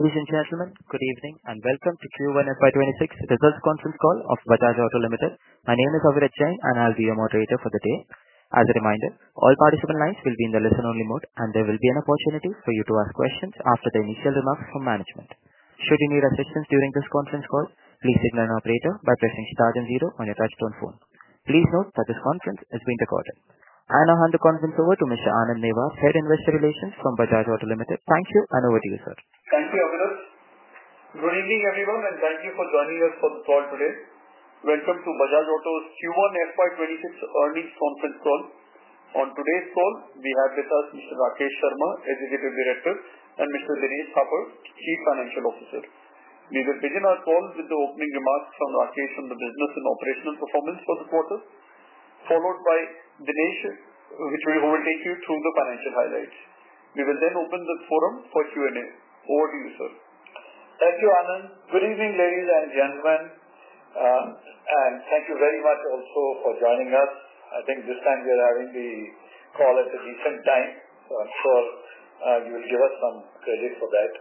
Ladies and gentlemen, good evening and welcome to the Q1FY2026 results conference call of Bajaj Auto Limited. My name is Aviraj Jain and I'll be your moderator for the day. As a reminder, all participant lines will be in listen-only mode and there will be an opportunity for you to ask questions after the initial remarks from management. Should you need assistance during this conference call, please signal an operator by pressing star then zero on your touch-tone phone. Please note that this conference is being recorded and I hand the conference over to Mr. Anand Newar, Head of Investor Relations from Bajaj Auto Limited. Thank you. Over to you, sir. Thank you, Aviraj. Good evening, everyone, and thank you for joining us for the call today. Welcome to Bajaj Auto Limited's Q1 FY2026 earnings conference call. On today's call, we have with us Mr. Rakesh Sharma, Executive Director, and Mr. Dinesh Thapar, Chief Financial Officer. We will begin our call with the opening remarks from Rakesh on the business and operational performance for the quarter, followed by Dinesh, who will take you through the financial highlights. We will then open the forum for Q&A. Over to you, sir. Thank you, Anand. Good evening ladies and gentlemen, and thank you very much also for joining us. I think this time we are having the call at the Decent bank. I'm sure you will give us some credit for that.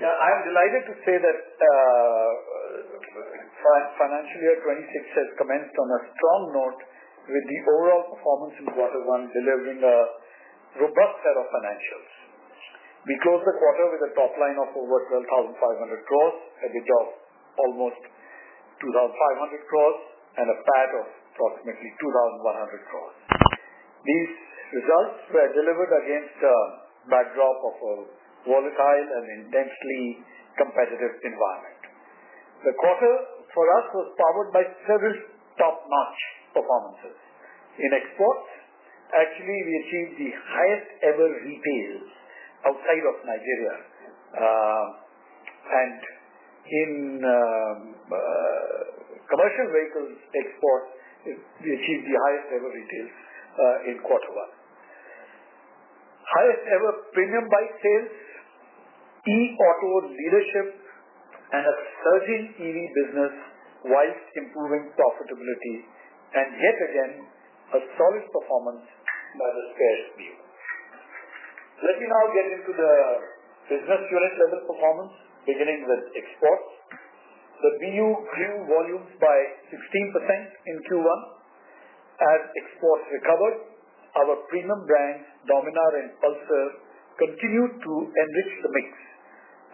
Yeah. I am delighted to say that financial year 2026 has commenced on a strong note with the overall performance in quarter one delivering a robust set of financials. We closed the quarter with a top line of over 12,500 crore, EBITDA of almost 2,500 crore, and a PAT of approximately 2,100 crore. These results were delivered against a backdrop of a volatile and intensely competitive environment. The quarter for us was powered by service, top mass performances in exports. Actually, we achieved the highest ever retail outside of Nigeria and in commercial vehicles. Exports had the highest ever retail in quarter one, highest ever premium bike sales leadership, and a surging EV business while improving profitability. Yet again, a solid performance by the scarce dealer. Let me now get into the business unit level performance, beginning with exports. The BU grew volumes by 15% in. Q1 and exports recovered. Our premium brand Dominar and Pulsar continue to enrich the mix,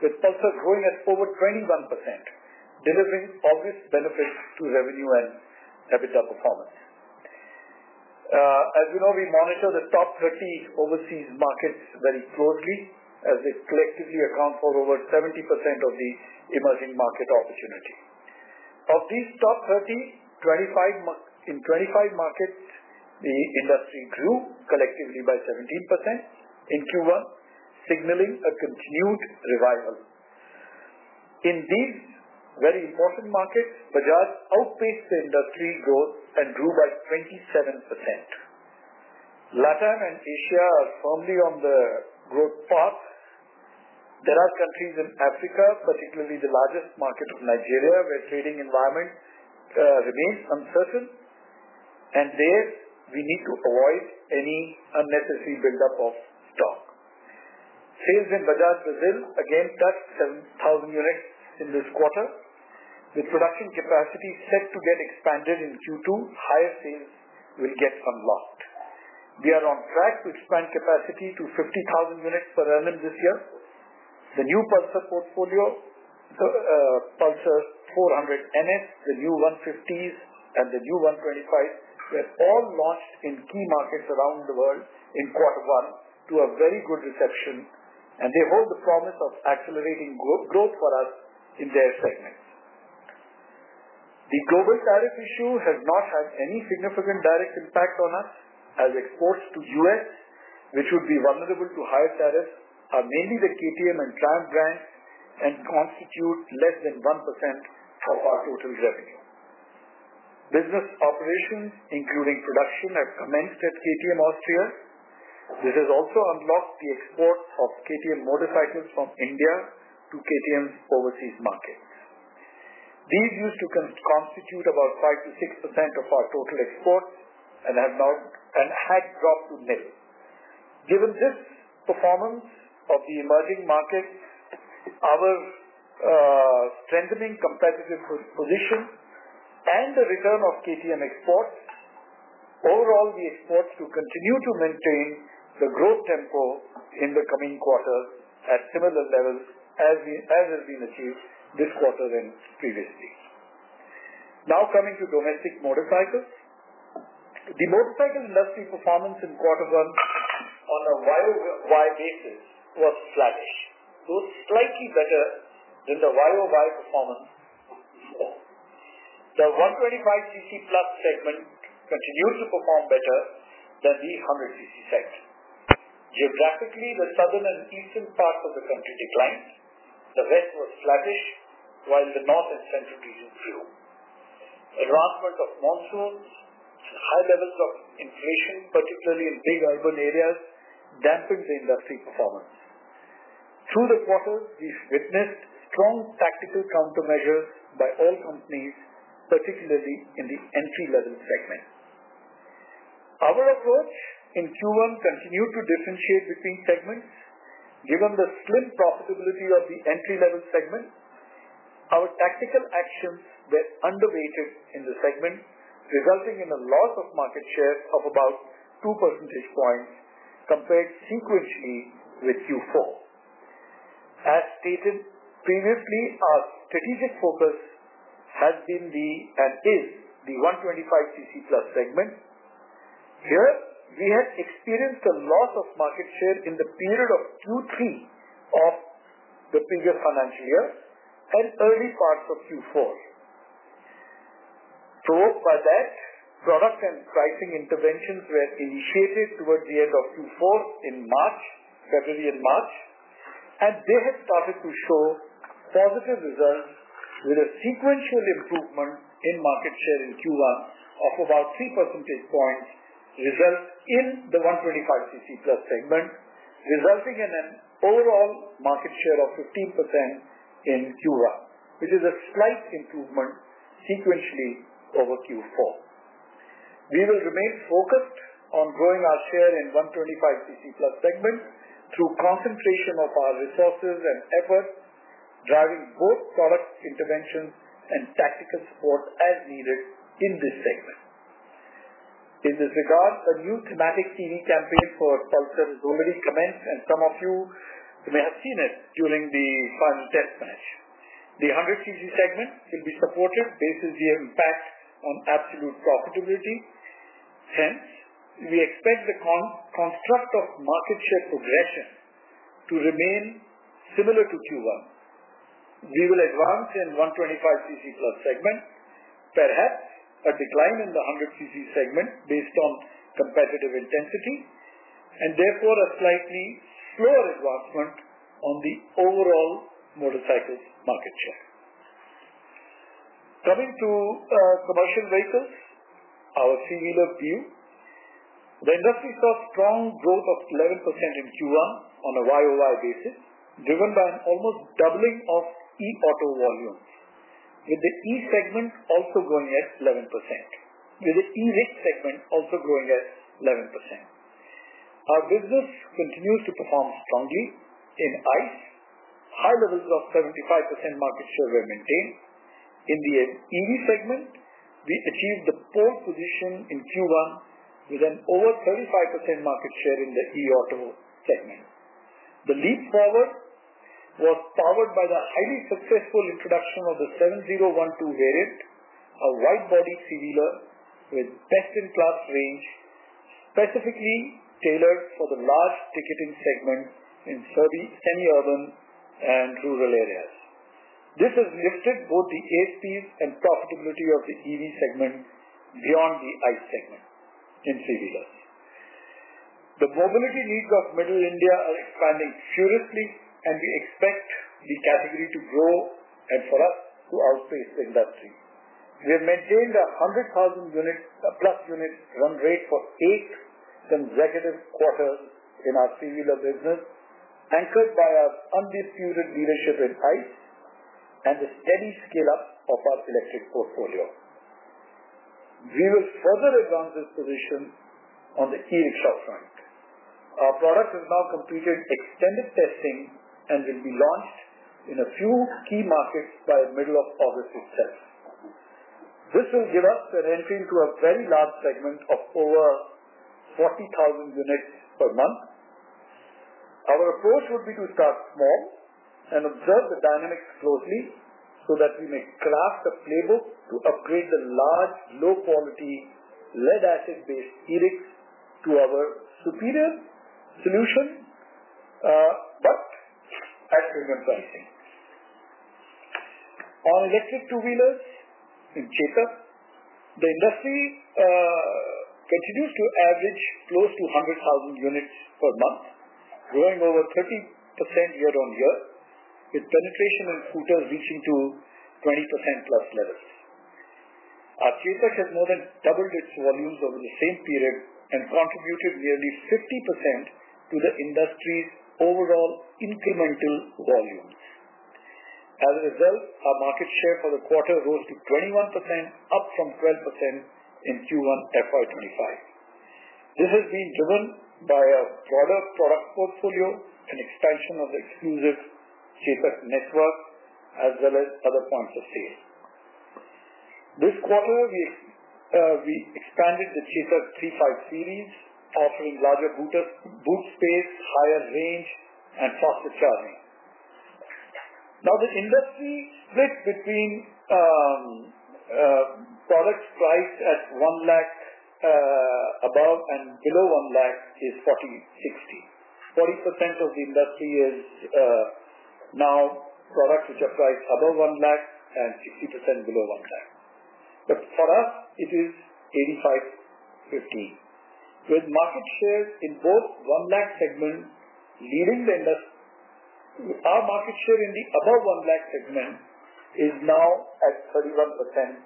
with Pulsar growing at over 21%, delivering August benefits too. Revenue and EBITDA performance. As you know, we monitor the top 30 overseas markets very closely as this collectively accounts for over 70% of the emerging market opportunity. Of these top 30, in 25 markets the industry grew collectively by 17% in Cuba, signaling a continued revival in these very important markets. Bajaj outpaced the industry growth and grew by 27%. LATAM and Asia are firmly on the growth path. There are countries in Africa, particularly the largest market of Nigeria, where the trading environment remains uncertain and there we need to avoid any unnecessary buildup of stock sales in Bajaj. Brazil again touched 7,000 units in this quarter. With production capacity set to get expanded in Q2, higher sales will get some lost. We are on track to expand capacity to 50,000 units per year this year. The new Pulsar Portfolio, Pulsar 400 NS, the new 150s, and the new 125, they're all launched in key markets around the world in quarter one to a very good reception and they hold the promise of accelerating growth for us in their segments. The global tariff issue has not had any significant direct impact on us as exports to the U.S., which would be vulnerable to higher tariffs, are mainly the KTM and Triumph brands and constitute less than. 1% of our total revenue. Business operations including production have commenced at KTM Austria. This has also unlocked the export of KTM motorcycles from India to KTM's overseas market. These used to constitute about 5%-6% of our total export and had dropped to nearly. Given this performance of the emerging market, our strengthening competitive position and the return of KTM exports overall, we expect to continue to maintain the growth tempo in the coming quarter at similar levels as has been achieved this quarter and previously. Now coming to domestic motorcycles, the motorcycle industry performance in quarter one on a year-on-year basis was flattish, though slightly better in the YoY performance. The 125cc+ segment continues to perform better than the 150 segment. Geographically, the southern and eastern parts of the country declined. The west was flattish while the north and central regions grew on the back of monsoons. High levels of inflation, particularly in big urban areas, dampened the industry performance. Through the quarter, we witnessed strong practical countermeasures by oil companies, particularly in the entry level segment. Our efforts in Q1 continued to differentiate between segments given the slim profitability of the entry level segment. Our tactical actions were underrated in the segment, resulting in a loss of market share of about 2% compared sequentially with Q4. As stated previously, our strategic focus has been and is the 125cc+ segment. Here we have experienced a loss. Market share in the period of Q3 of the previous financial year and early parts of Q4, provoked by that, product and pricing interventions were initiated toward the end of Q4 in March. And they. Had started to show positive results with a sequential improvement in market share in Cuba of about 3% points resulting in the 125cc+ segment resulting in an overall market share of 15% in Cuba, which is a slight improvement sequentially over Q4. We will remain focused on growing our share in 125cc+ segments through concentration of our resources and efforts, driving both product intervention and tactical support as needed in this segment. In this regard, a new thematic CV campaign for Pulsar has already commenced and some of you may have seen it during the final Test match. The 100cc segment will be supported basis the impact on absolute profitability. Hence, we expect the construct of market. Share progression to remain similar to Cuba. We will advance in 125cc+ segment, perhaps a decline in the 100 cc segment based on competitive intensity and therefore a slightly slower advancement on the overall motorcycles market share. Coming to commercial vehicles, our three-wheeler, the industry saw strong growth of 11% in Q1 on a YOY basis driven by an almost doubling of e-auto volumes with the e segment also growing at 11%. Our business continues to perform strongly in ICE. High levels of 75% market share we maintain in the EV segment. We achieved the pole position in Q1 with an over 35% market share in the e-auto segment. The leap forward was powered by the highly successful introduction of the 7012 variant, a wide variety C dealer with best-in-class range specifically tailored for the large ticketing segment in semi-urban and rural areas. This has lifted both the ASPs and profitability of the EV segment beyond the ICE segment. In CG, the mobility needs of middle India are expanding furiously and we expect the category to grow and for us to outpace the industry. We have maintained a 100,000 unit plus unit run rate for eight consecutive quarters in our serial business anchored by our undisputed leadership with ICE and the steady scale up of our electric portfolio, we will further advance this position. On the KI shop front, our product has now completed extended testing and will be launched in a few key markets by middle of August itself. This will give us an entry into a very large segment of COA 40,000 units per month. Our approach would be to start small and observe the dynamics closely so that we may craft a playbook to upgrade the large low quality lead acid based helix to our superior solution. On gas with two-wheelers in total, the industry. Continues to average close to 100,000 units per month, growing over 30% year-on-year, with penetration and future reaching to 20%+ levels. Chetak has more than doubled its volumes over the same period and contributed nearly 50% to the industry's overall incremental volume. As a result, our market share for the quarter rose to 21%, up from 12% in Q1 FY2025. This has been driven by a broader product portfolio, an expansion of exclusive Chetak network as well as other points of sale. This year we expanded the Chetak 3.5 series offering, greater boot space, higher range, and faster charging. Now the industry splits between products. Price at 1 lakh above and below 1 lakh is 40 60. 40% of the industry is now product with a price above 1 lakh. 50% below 100,000. For us it is 8,550 with market shares in both 1 lakh segment leading the industry. Our market share in the above 1 lakh segment is now at 31%+,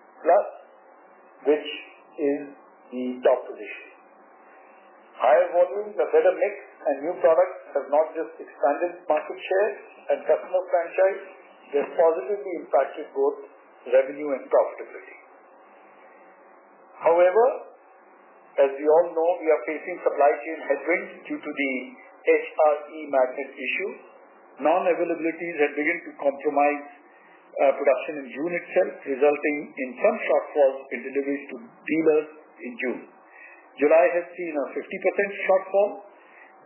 which is the top position. Higher volumes, a better mix, and new product has not just expanded market share and customer franchise, they have positively impacted. Growth, revenue, and profitability. However, as we all know, we are facing supply chain headwinds due to the HRE magnets issues. Non-availabilities have begun to compromise production in June itself, resulting in some shortfalls in deliveries to dealers in June. July has seen a 50% shortfall.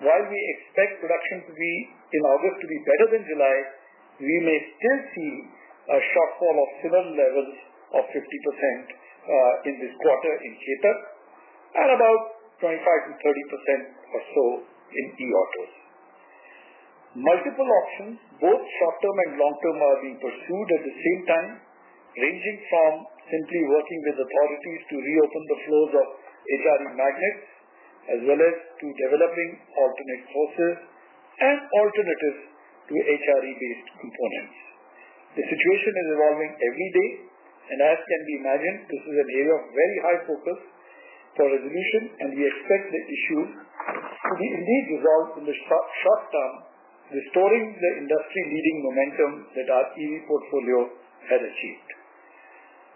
While we expect production to be in August to be better than July, we may still see a shortfall of similar levels of 50% in this quarter in Chetak and about 25%-30% or so in e-auto. Multiple options, both short term and long term, are being pursued at the same time, ranging from simply working with authorities to reopen the flows of Ugari magnets as well as to developing alternate sources and alternatives to HRE-based components. The situation is evolving every day, and as can be imagined, this is an area of very high focus for resolution, and we expect the issue to be engaged in the short term, restoring the industry-leading momentum that our EV portfolio has achieved.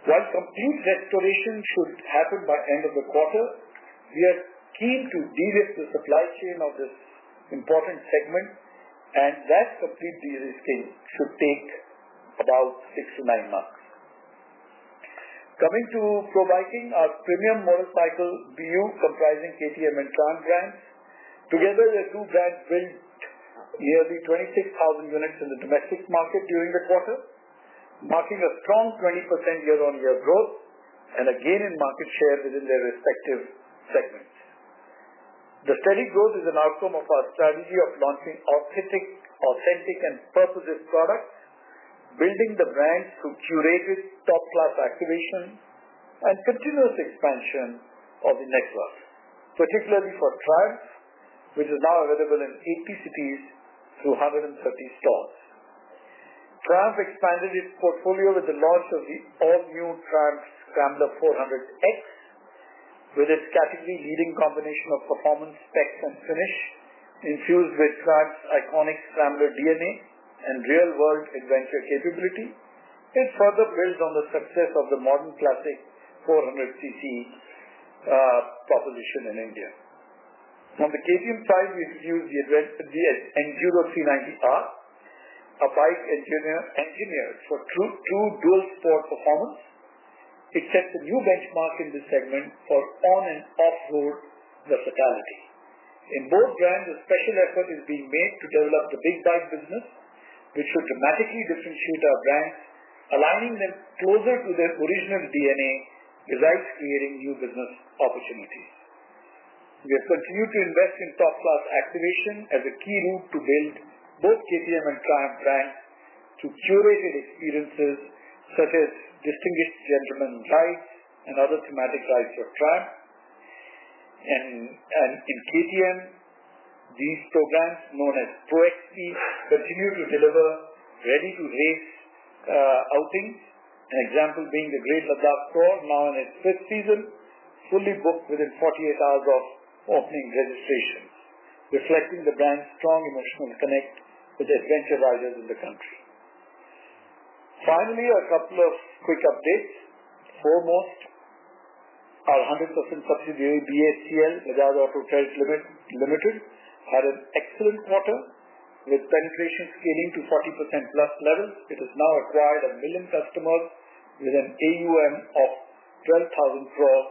Complete restoration should happen by end of the quarter. We are keen to de-risk the supply chain of this important segment, and that complete de-risking should take about. 6 months-9 months. Coming to Pro Biking, our premium motorcycle BU comprising KTM and Triumph brands together brought nearly 26,000 units in the domestic market during the quarter, marking a strong 20% year-on-year growth and a gain in market share within their respective segments. The steady growth is an outcome of our strategy of launching authentic and purposeful products, building the brands through curated top-class activations, and continuous expansion of the network, particularly for Triumph, which is now available in 8 PCPs through 130 stores. Triumph expanded its portfolio with the launch of the new Triumph Scrambler 400X with its segment-leading combination of performance spec, form, finish infused with Triumph's iconic Scrambler DNA, and real-world adventure capability, and further builds on the success of the modern classic 400cc proposition in India. Now, on the KTM side, we used the address the Enduro 390R, our bike engineered for true dual sport performance. It set the new benchmark in this segment for on- and off-road versatility in both brands. A special effort is being made to develop the big bike business, which would dramatically differentiate our brands, allowing them closer. To their original DNA. Besides creating new business opportunities, we continue to invest in top class activation as a key route to build both KTM and Triumph brands through curated experiences such as Distinguished Gentlemen Rides and other thematic rides of trial in KTM. These programs, known as Pro XPS Facility, deliver ready to race outings, an example being the Great Ladakh Trail, now in its fifth season, fully booked within 48 hours of offering registrations, reflecting the brand's strong emotional connect with adventure rides in the country. Finally, a couple of quick updates. Foremost, our 100% subsidiary, BACL, had an excellent quarter with penetration scaling to 40%+ levels. It has now acquired a million customers with an AUM of 12,000 crore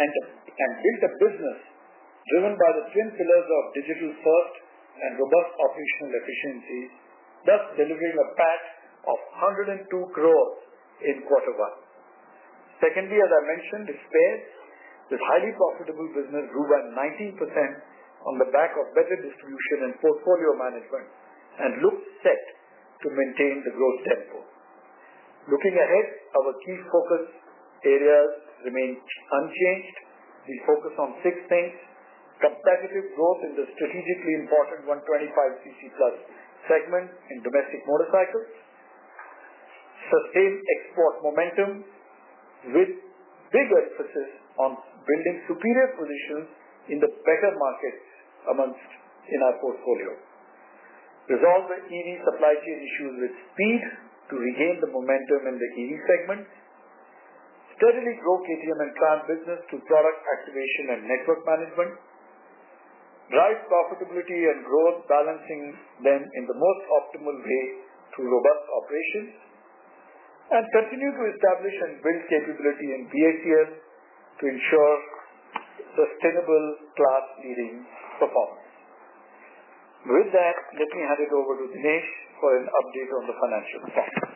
and built a business driven by the twin pillars of digital first and robust operational efficiency, thus delivering a PAT of 102 crore in quarter one. Secondly, as I mentioned, this highly profitable business grew by 19% on the back of better distribution and portfolio management and looks set to maintain the growth tempo. Looking ahead, our key focus areas remain unchanged. We focus on six things: competitive growth in the strategically important 125cc+ segment in domestic motorcycles, sustained export momentum with big emphasis on building superior positions in the better markets amongst our portfolio, resolve the EV supply chain issues with speed to regain the momentum in the EV segment, steadily grow KTM and Triumph business through product activation and network management, drive profitability and growth, balancing them in the most optimal way through robust operations, and continue to establish and build capability in BACL to ensure sustainability. With that, let me hand it over to Dinesh for an update on the financial sector.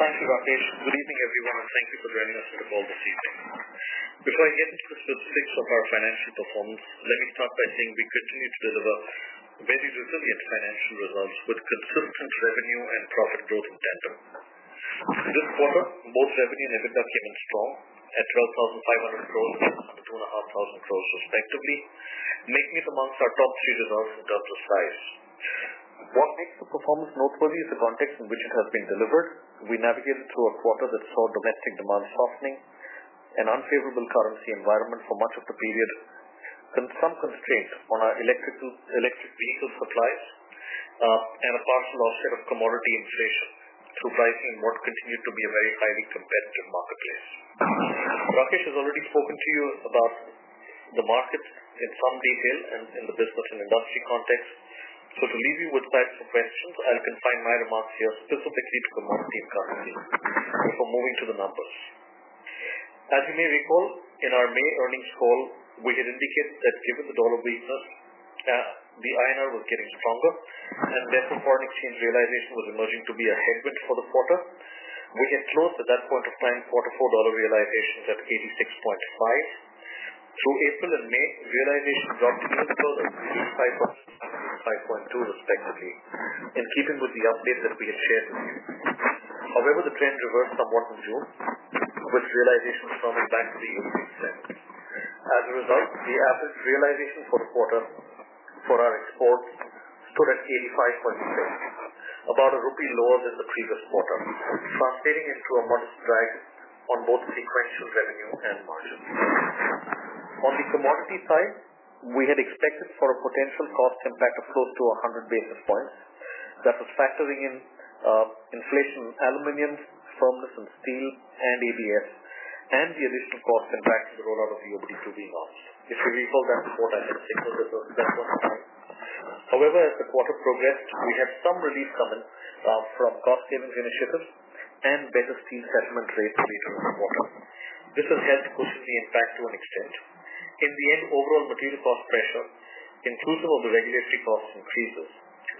Thanks Rakesh. Good evening everyone and thank you for joining us for the call this evening. Before I get into the specifics of our financial performance, let me start by saying we continue to deliver very resilient financial results with consistent revenue and profit growth in tandem. Season 4 most heavy in EBITDA getting strong at 12,500 crores and 2,500 crores respectively, making it amongst our top three results. In terms of size, what makes the performance noteworthy is the context in which it has been delivered. We navigated through a quarter that saw domestic demand softening, an unfavorable currency environment for much of the period, and some constraint on our electric vehicle supplies and a partial offset of commodity inflation to pricing in what continued to be a very highly competitive marketplace. Rakesh has already spoken to you about the market in some detail and in the business and industry context. To leave you with that suggestion, I can confine my remarks here. Specifically, moving to the numbers, as you may recall in our May earnings call we had indicated that given the dollar versus the INR were getting stronger and therefore foreign exchange realization was emerging to be a headwind for the quarter. We had closed at that point of time quarter 4 realizations at 86.5 through April. May realization drops yields for the. High cost 5.2% respectively in keeping with the updates that we had shared in New York. However, the trend reverts somewhat in June with realizations firm impact the service. As a result, the average realization for the portal for our Exports stood at 385.3, about a rupee lower than the previous quarter, peering into a modest drag on both sequential revenue and margin on the commodity. Side, we had expected for a potential. Cost impact of growth to 100 basis points that was factoring in inflation, aluminum firmness and steel and ABS and the addition of cost impacts, the rollout of the OBD flu revaluation if we hold that support, I had said those are. However, as the quarter progressed, we had some relief coming from cost savings initiatives and basis T settlement rate. This has helped Kushiji in fact to an extent. In the end, overall material cost pressure inclusive of the regulatory cost increases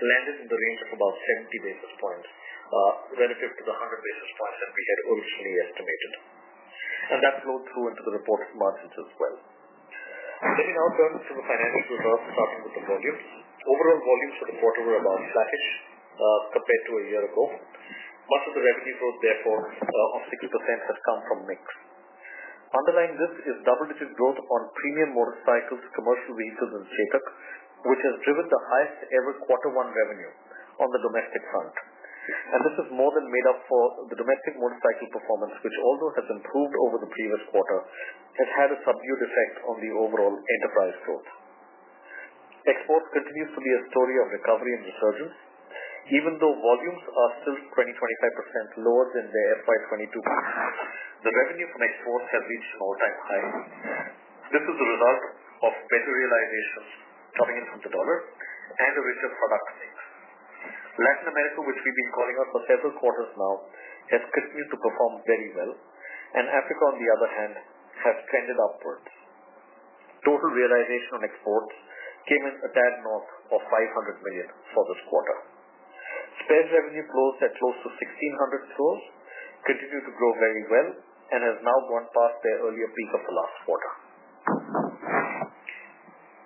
landed in the range of about 70 basis points relative to the 100 basis points that we had originally estimated, and that flowed through into the reported margins as well. Let me now turn to the financial results starting with the volume. Overall volumes for the quarter were about flattish compared to a year ago. Much of the revenue growth therefore of securities have come from mix underlying this is double digit growth on premium motorcycles, commercial vehicles and Chetak, which has driven the highest ever quarter one revenue on the domestic front and this has more. Than made up for the domestic motorcycle. Performance, which although has improved over the previous quarter, has had a subdued effect on the overall enterprise growth. Export continues to be a story of recovery and resurgence even though volumes are still 20%-25% lower than the FY2022. The revenue from exports has reached over time. This is a result of better realizations coming in from the dollar and original product sales. Latin America, which we've been calling out. For several quarters now has continued to perform very well, and Africa on the other hand has trended upwards. Total realization on exports came in a tad north of $500 million for this quarter. Spares revenue closed at close to $16 million. Stores continued to grow very well. Has now gone past their earlier peak of the last quarter.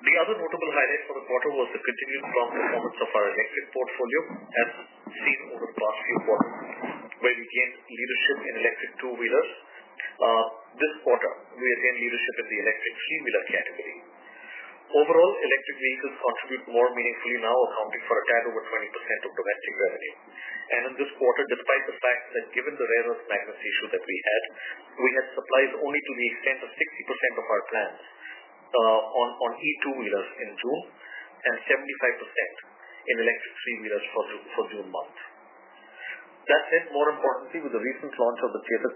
The other notable highlight for the quarter was the continued performance of our electric portfolio as seen over the past few months where we gained leadership in electric two wheelers. This quarter we again gained leadership in the electric 3-wheeler category. Overall, electric vehicles contribute more meaningfully now, accounting for a tad over 20% of domestic revenue, and in this quarter, despite the fact that given the Reynolds background issue that we had, we had supplies only to the extent of 60% of our plans on electric two wheelers in June and 75% in electric 3-wheelers for the June month. That said, more importantly, with the recent launch of the Chetak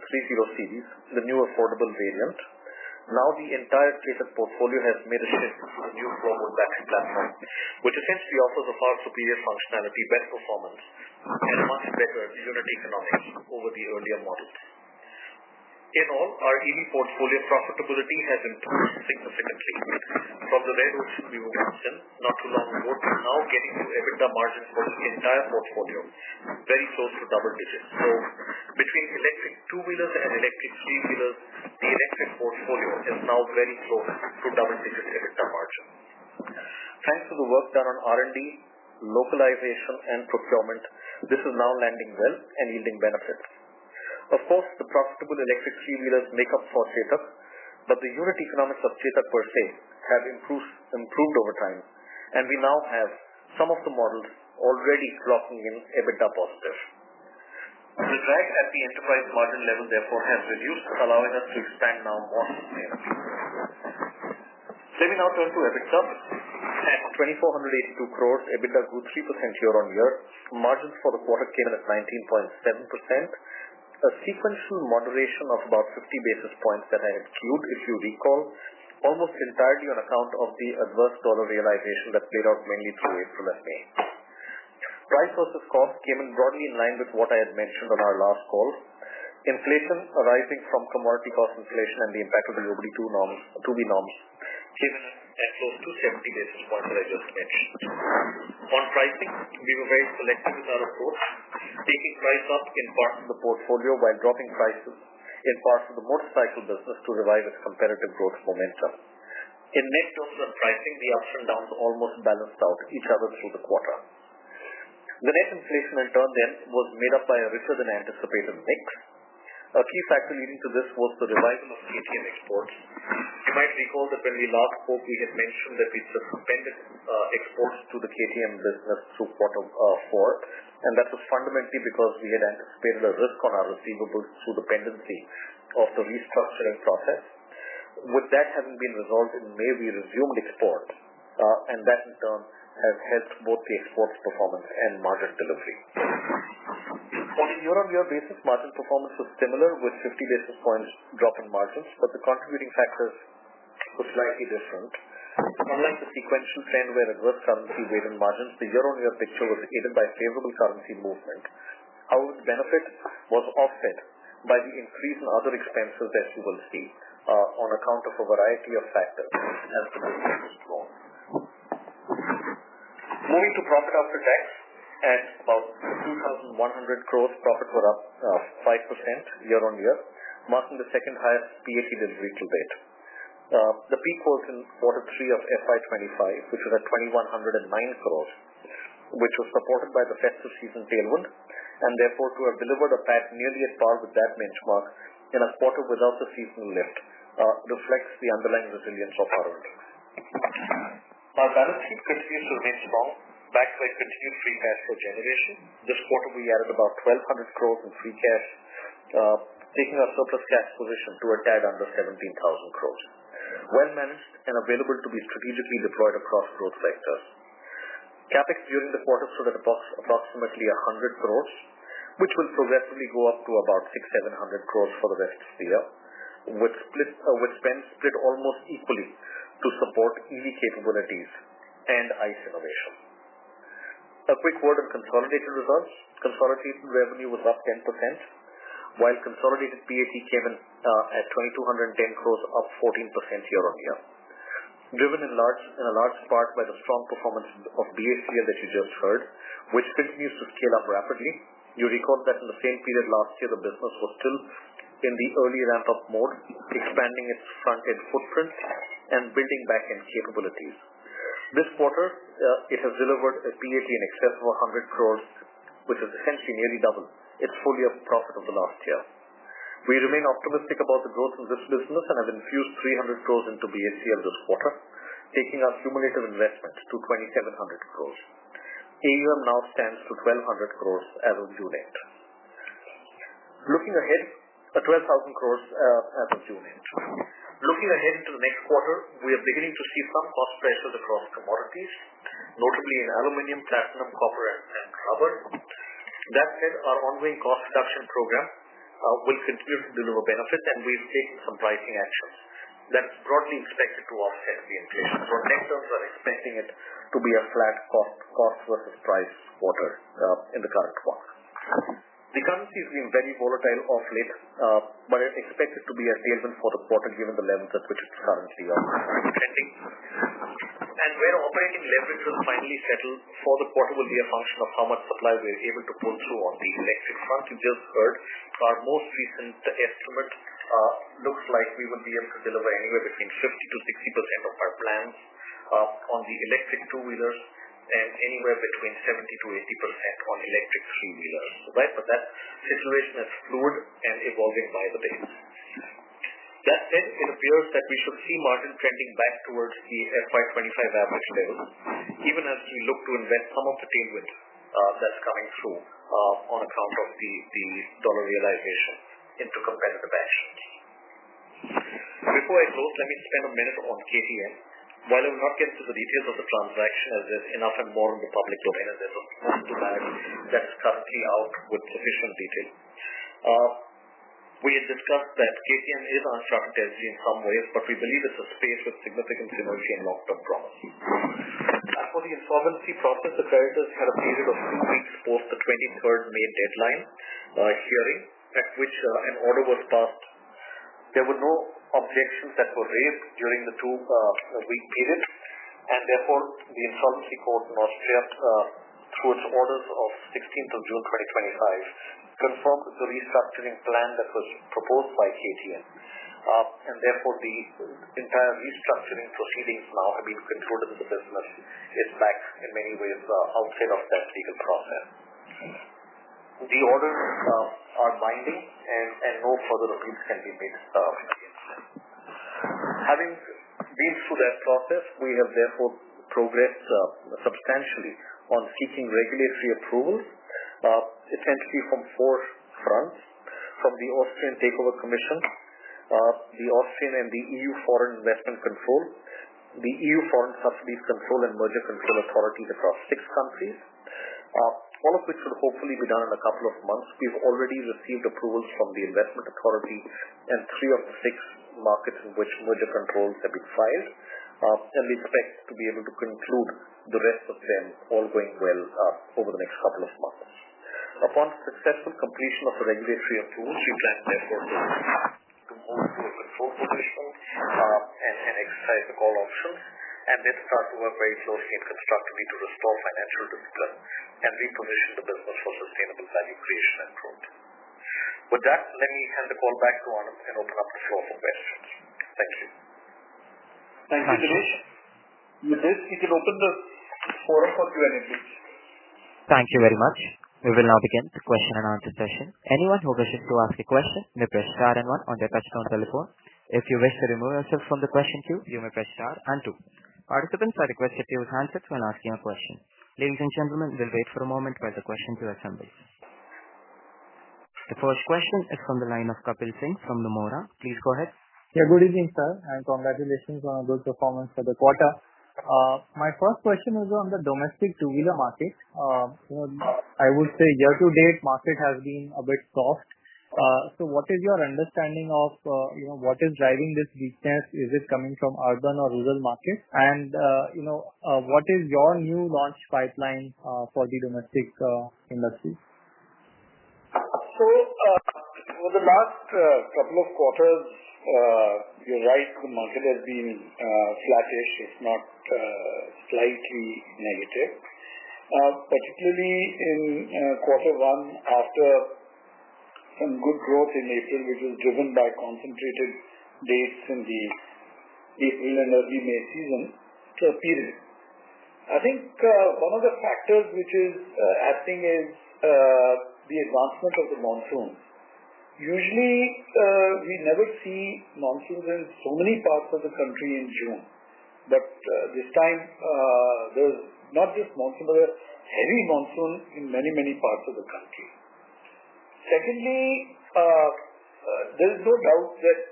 3.0 series, the newer portable variants, now the entire Chetak portfolio has made a shift to the new Forward battery platform, which affects the offers of our superior functionality, best performance, and unit analysis over the earlier models. In all, our EV portfolio profitability has improved significantly from the red ocean we were going to spend not too long ago. Now, getting EBITDA margins for the entire portfolio very close to double digits. Between electric two wheelers and electric 3-wheelers, the electric portfolio can sound very slow through double digits extra margin. Thanks to the work done on R&D. Localization and procurement, this is now landing well and yielding benefits. Of course, the profitable electric 3-wheelers make up for Chetak, but the unit economics of Chetak per se have improved over time and we now have some of the models already locking in EBITDA. Positive drag at the enterprise margin level therefore has reduced, allowing us to expand now more. Say we now turn to. EBITDA stood at INR 2,482 crore. EBITDA grew 3% year-on-year. Margins for the quarter came in at 19.7%, a sequential moderation of about 50 basis points that, if you recall, was almost entirely on account of the adverse dollar realization that played out mainly through April. FAA price versus cost came in broadly. In line with what I had mentioned. On our last call, inflation arising from commodity cost inflation and the impact of the newly two norms to be norms gave us 70 basis points. As I mentioned on pricing, we were. Very selective with our approach, taking price up in part of the portfolio while dropping prices in parts of the most special business to revive its comparative growth momentum. In these terms of pricing, the ups and downs almost balanced out each other through the quarter. The net inflation enter then was made up by a richer than anticipated mix. A key factor leading to this was the revival of KTM exports. You might recall that when we last spoke, we had mentioned that we just suspended exports to the KTM business through quarter four, and that was fundamentally because we had anticipated a risk on our receivables through the pendency of the wheat processing process. With that having been resolved, we resumed the export, and that in turn has helped both the exports performance and. Marta's delivery on a year-on-year basis. Margin performance was similar with 50 basis points drop in margins, but the contributing factors were slightly different. Unlike the sequential trend where adverse currency gained margins, the year-on-year picture was aided by favorable currency movement. Our benefit was offset by the increase in other expenses that we will see on account of a variety of factors. Moving to profit after tax at about. 2,100 crores profit were up 5% year-on-year, marking the second highest PAT in weekly data. The peak holds in quarter three of FY2024, which was at 2,109 crores, which was supported by the festive season tailwind. Therefore, to have delivered a patch. Nearly as far with that benchmark in a spotter without the seasonalness reflects the underlying resilience of our own balance sheet, continues to remain strong. Backside continued free cash flow generation, this quarter we added about 1,200 crore in free cash, taking our surplus cash position to a tad under 17,000 crore, well managed and available to be strategically deployed across growth sectors. CapEx during the quarter stood at approximately 100 crore, which will progressively go up to about 600-700 crore for the rest of the year, with spends split almost equally to support EV capabilities and ICE innovation. Upreach word and consolidated results. Consolidated revenue was up 10% while consolidated PAT came in at 2,210 crore, up 14% year-on-year, driven in a large part by the strong performance of DS3 and achieved third with pilot use of Caleb rapidly. You recall that in the same period last year the business was still in the early ramp up mode, expanding its front end footprint and building back end capabilities. This quarter it has delivered immediately in excess of 100 crore, which is essentially nearly double its full year's profit over last year. We remain optimistic about the growth of this business and have infused 300 crore into BACL in this quarter, taking our cumulative investment to 2,700 crore. AUM now stands to 1,200 crore as of due date. Looking ahead, the 12,000 crore as of June 8th. Looking ahead to the next quarter, we are beginning to see some cost pressures across commodities, notably in aluminum, platinum, copper and copper. That said, our ongoing cost reduction program will continue to deliver benefits and we'll take some pricing action that's broadly expected to offset P&L broadcast. We're expecting it to be a flat cost versus price quarter in the current market. The currency is being very volatile off late, but expect it to be a statement for the product given the length at which it's currently trending and when operating leverage is finally settled for the quarter, will be a function of how much supply we're able to pull through on the next six months. You just heard for our most recent estimate, looks like we will be able to deliver anywhere between 50%-60% of our plans on the electric two wheelers and anywhere between 70%-80% on electric 3-wheelers, right? That situation has slowed and evolving by the days. That said, it appears that we should see margin trending back towards the FY2025 average rail even as you look to invest some of the tailwinds that's coming through on account of the dollar realization into competitive ashrad. Before I close, let me spend a minute on KTM. While I will not get into the details of the transaction as there's enough and more in the public domain as I just trust you out with sufficient details. We discussed that KTM is unstructured as in some ways but we believe it's a space with significant. For the information process. The fairness had a period of two weeks post 23 May deadline hearing at which an order was passed. There were no objections that were raised during the two weeks period, and therefore the insolvency court was there. Orders of 16 to June 2025 confirmed with the restructuring plan that was proposed by CTN, and therefore the entire restructuring proceedings now have been controlled with the business is back in many ways outside of that legal process. The order are binding, and no further approvals can be made against them. Having been through that process, we have therefore progressed substantially on seeking regulatory approvals essentially from four fronts: from the Austrian Takeover Commission, the Austrian and the EU Foreign Investment Control, the EU Foreign Subsidies Control, and Merger control authorities across six countries, all of which will hopefully be done in a couple of months. We've already received approvals from the Investment Authority and three of the six markets in which merger controls have been filed, and we expect to be able to conclude the rest of them all going well over the next couple of months upon successful completion of a regulatory approval and exercise the call options. Let's start to work very closely and constructively to restore financial discipline and reposition the business for sustainable value creation and growth. With that, let me hand the call back to Anand and open up the show for benefits. Thank you. Thank you. Thank you. Can open the floor for Q&A session. Thank you very much. We will now begin the question-and-answer session. Anyone who wishes to ask a question may press star one on the touchtone telephone. If you wish to remove yourself from the question queue, you may press star two. Participants, I request you to use your handsets when asking a question. Ladies and gentlemen, we'll wait for a moment while the questions are assembled. The first question is from the line of Kapil Singh from Nomura. Please go ahead. Yeah, good evening sir and congratulations on. A good performance for the quarter. My first question is on the domestic two wheeler market. I would say year to date market. Has been a bit soft. What is your understanding of what is driving this weakness? Is it coming from urban or rural markets? What is your new launch pipeline for the domestics industry? Over the last couple of quarters you're right, market has been flattish if not slightly negative, particularly in quarter one after some good growth in atrium which is driven by concentrated base in the. I think one of the factors which. Is acting is the advancement of the monsoon. Usually we never see monsoons in so. Many parts of the country in June, but this time there's not this monsoon, but a heavy monsoon in many, many. Parts of the country. Secondly, there is no doubt that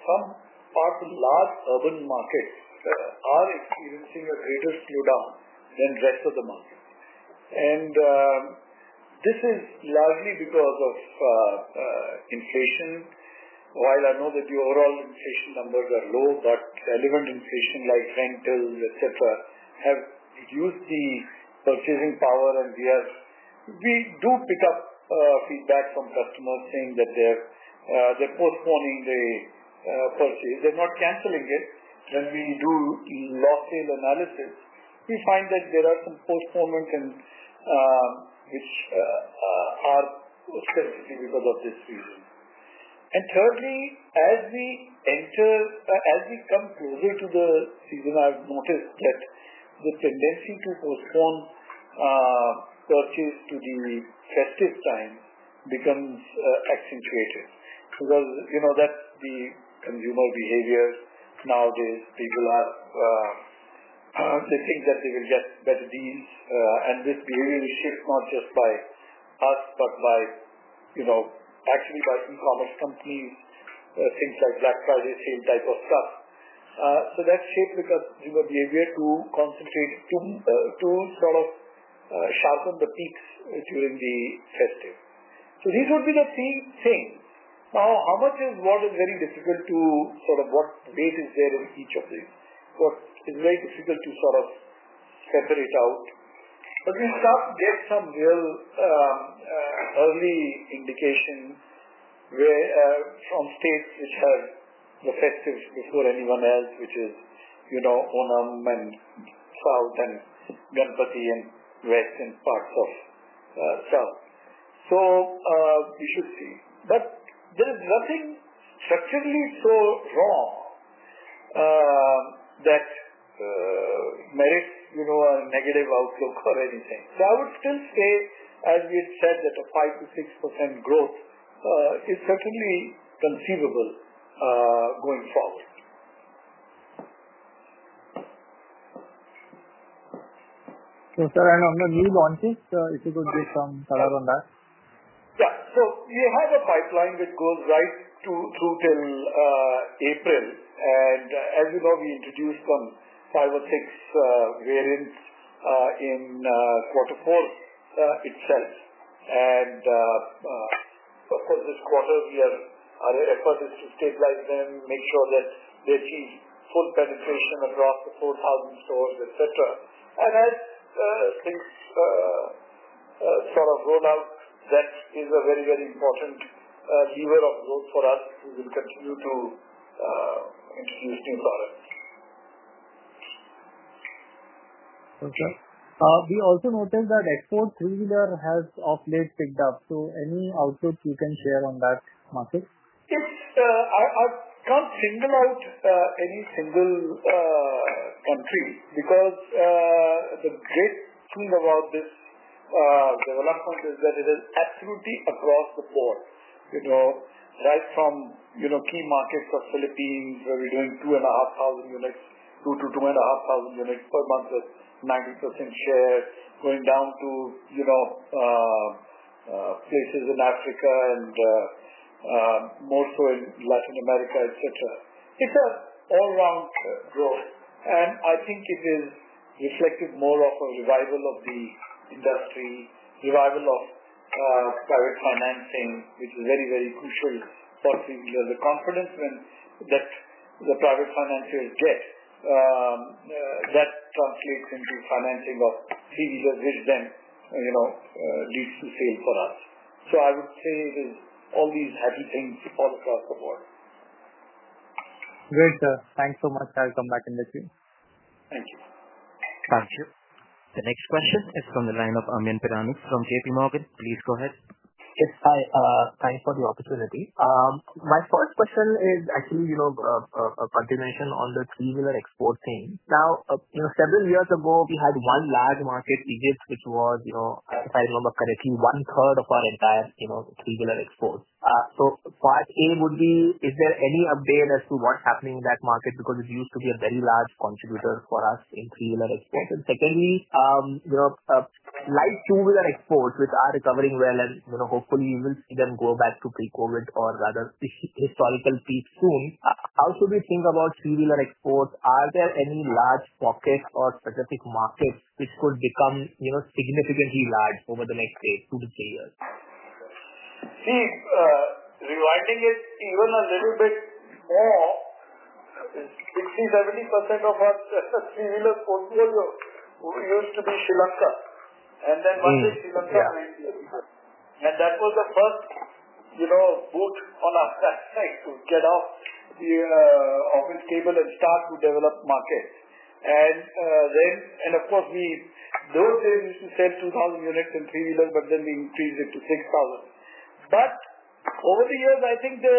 some far too large urban markets are experiencing a greater slowdown than the rest of the market, and this is largely because of inflation. While I know that the overall inflation numbers are low, relevant inflation like rental, etc., have reduced the purchasing power. We do pick up feedback from customers saying that they're postponing the purchase, they're not canceling it. When we do lock-in analysis, we find that there are some postponements, which are because of this reason. Thirdly, as we enter, as we. Come closer to the signal. I've noticed that the tendency to perform touches to the tested sign becomes accentuated. You know that's the consumer behaviors nowadays. They do have. They think that they will get better deals and it really fixed not just by us but by, you know, actually by e-commerce company since our Black Friday scene type of stuff. That shape with a human behavior. To concentrate, to sort of sharpen the. Peaks, which will be festive. These would be the same thing. How much is what is very. difficult to sort of know what base is there on each of it. It's very difficult to sort of separate out. We can get some real early indication where some states which are deceptive before anyone else, which is, you know, Onam in the south and Ganpati and that's in spots of south. You should see. There is nothing actually so wrong that merits, you know, a negative outlook or anything. I would still say as we. Had said that a 5%-6% growth is certainly conceivable going forward. Yes sir. I'm going to leave on this. If you could give some color on that. Yeah. We had a pipeline that goes right through till April, and as you know, we introduced some fiber six variants in quarter four itself. Of course, this quarter our effort is to stabilize them, make sure that they see full penetration across the 4,000 stores, etc. As things sort of roll out, that is a very, very important lever of growth for us. We will continue to steam products. Okay. We also noticed that export 3-wheeler. Has off late picked up. there any outputs you can share on that market? Yes, I can't single out any. Single country because the great thing about this development is that it is absolutely across the four, right from three markets of Philippines where we're doing 2,000-2,500 units per month of magnitude, going down to places in Africa and more so in Latin America, etc. It's an all-round growth and I. Think it is reflective more of a revival of the industry, revival of private financing, which is very, very crucial for free as a confidence when that's what private financiers get. That translates into financing of three people. Which then, you know, needs to stay for us. I would say all these happy things all across the board. Great sir, thanks so much. I'll come back in this view. Thank you. The next question is from the line of Amyn Pirani from JPMorgan. Please go ahead. It's time for the opportunity. My first question is actually a continuation on the three wheeler export scene. Now, several years ago we had one large market, Egypt, which was, if I remember correctly, one third of our entire three wheeler export. Part A would be, is there any update as to what's happening in that market? Because it used to be a very large contributor for us in three wheeler exports. Secondly, nice fuel and exports are recovering well and hopefully you will see them go back to pre-Covid or rather historical pace soon. How could we think about steel and exports? Are there any large pockets or specific markets which could become significantly large over the next 2 years-3 years? See, rewinding it even a little bit worse, 60%-70% of it used to be Sri. Lanka, and that was the first boot on our side to get off the offence cable and start to develop market. Of course, we did sell 2,000 units in three, but then we increased it to 6,000. Over the years, I think the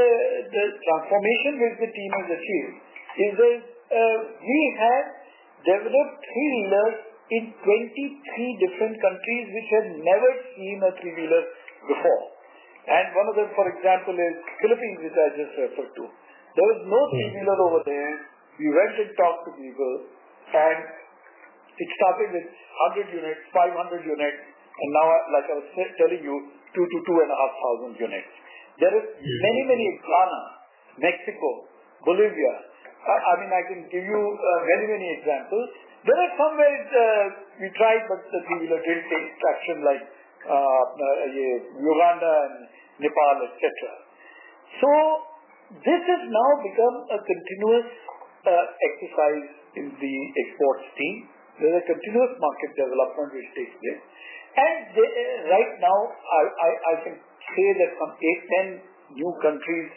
transformation with the team and the field is we have developed three-wheelers in 23 different countries which have never. Seen a three-wheeler before. One of them, for example, is the Philippines. You guys in SAFER too, there was no three-wheeler over there. We went and talked to people, and it started with 100 units, 500 units, and now, like I was telling you, 2,000 units-2,500 units. There are many, many, Ghana, Mexico, Bolivia. I mean, I can give you many, many examples. There are some ways we try. That we will not get satisfaction like Uganda and Nepal, etc. This has now become continuous. Exercise in the exports team. There's a continuous market. As of right now. I can say that on 8, 10 new countries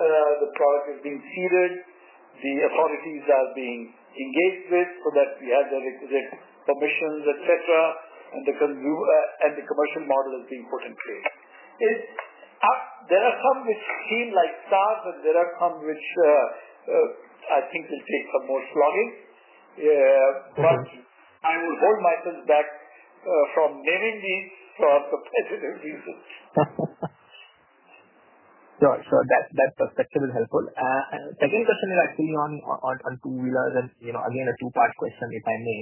the product is being seeded, the policies are being engaged with so that we have the requisite permissions, etc. and the commercial model is the important thing. There are some with him like Chetak. There are some which I think they take for most learning. I will hold myself back from leaving for competitive reasons. Sure, that perspective is helpful. Second question is actually on two wheelers and you know again a two. Part question, if I may.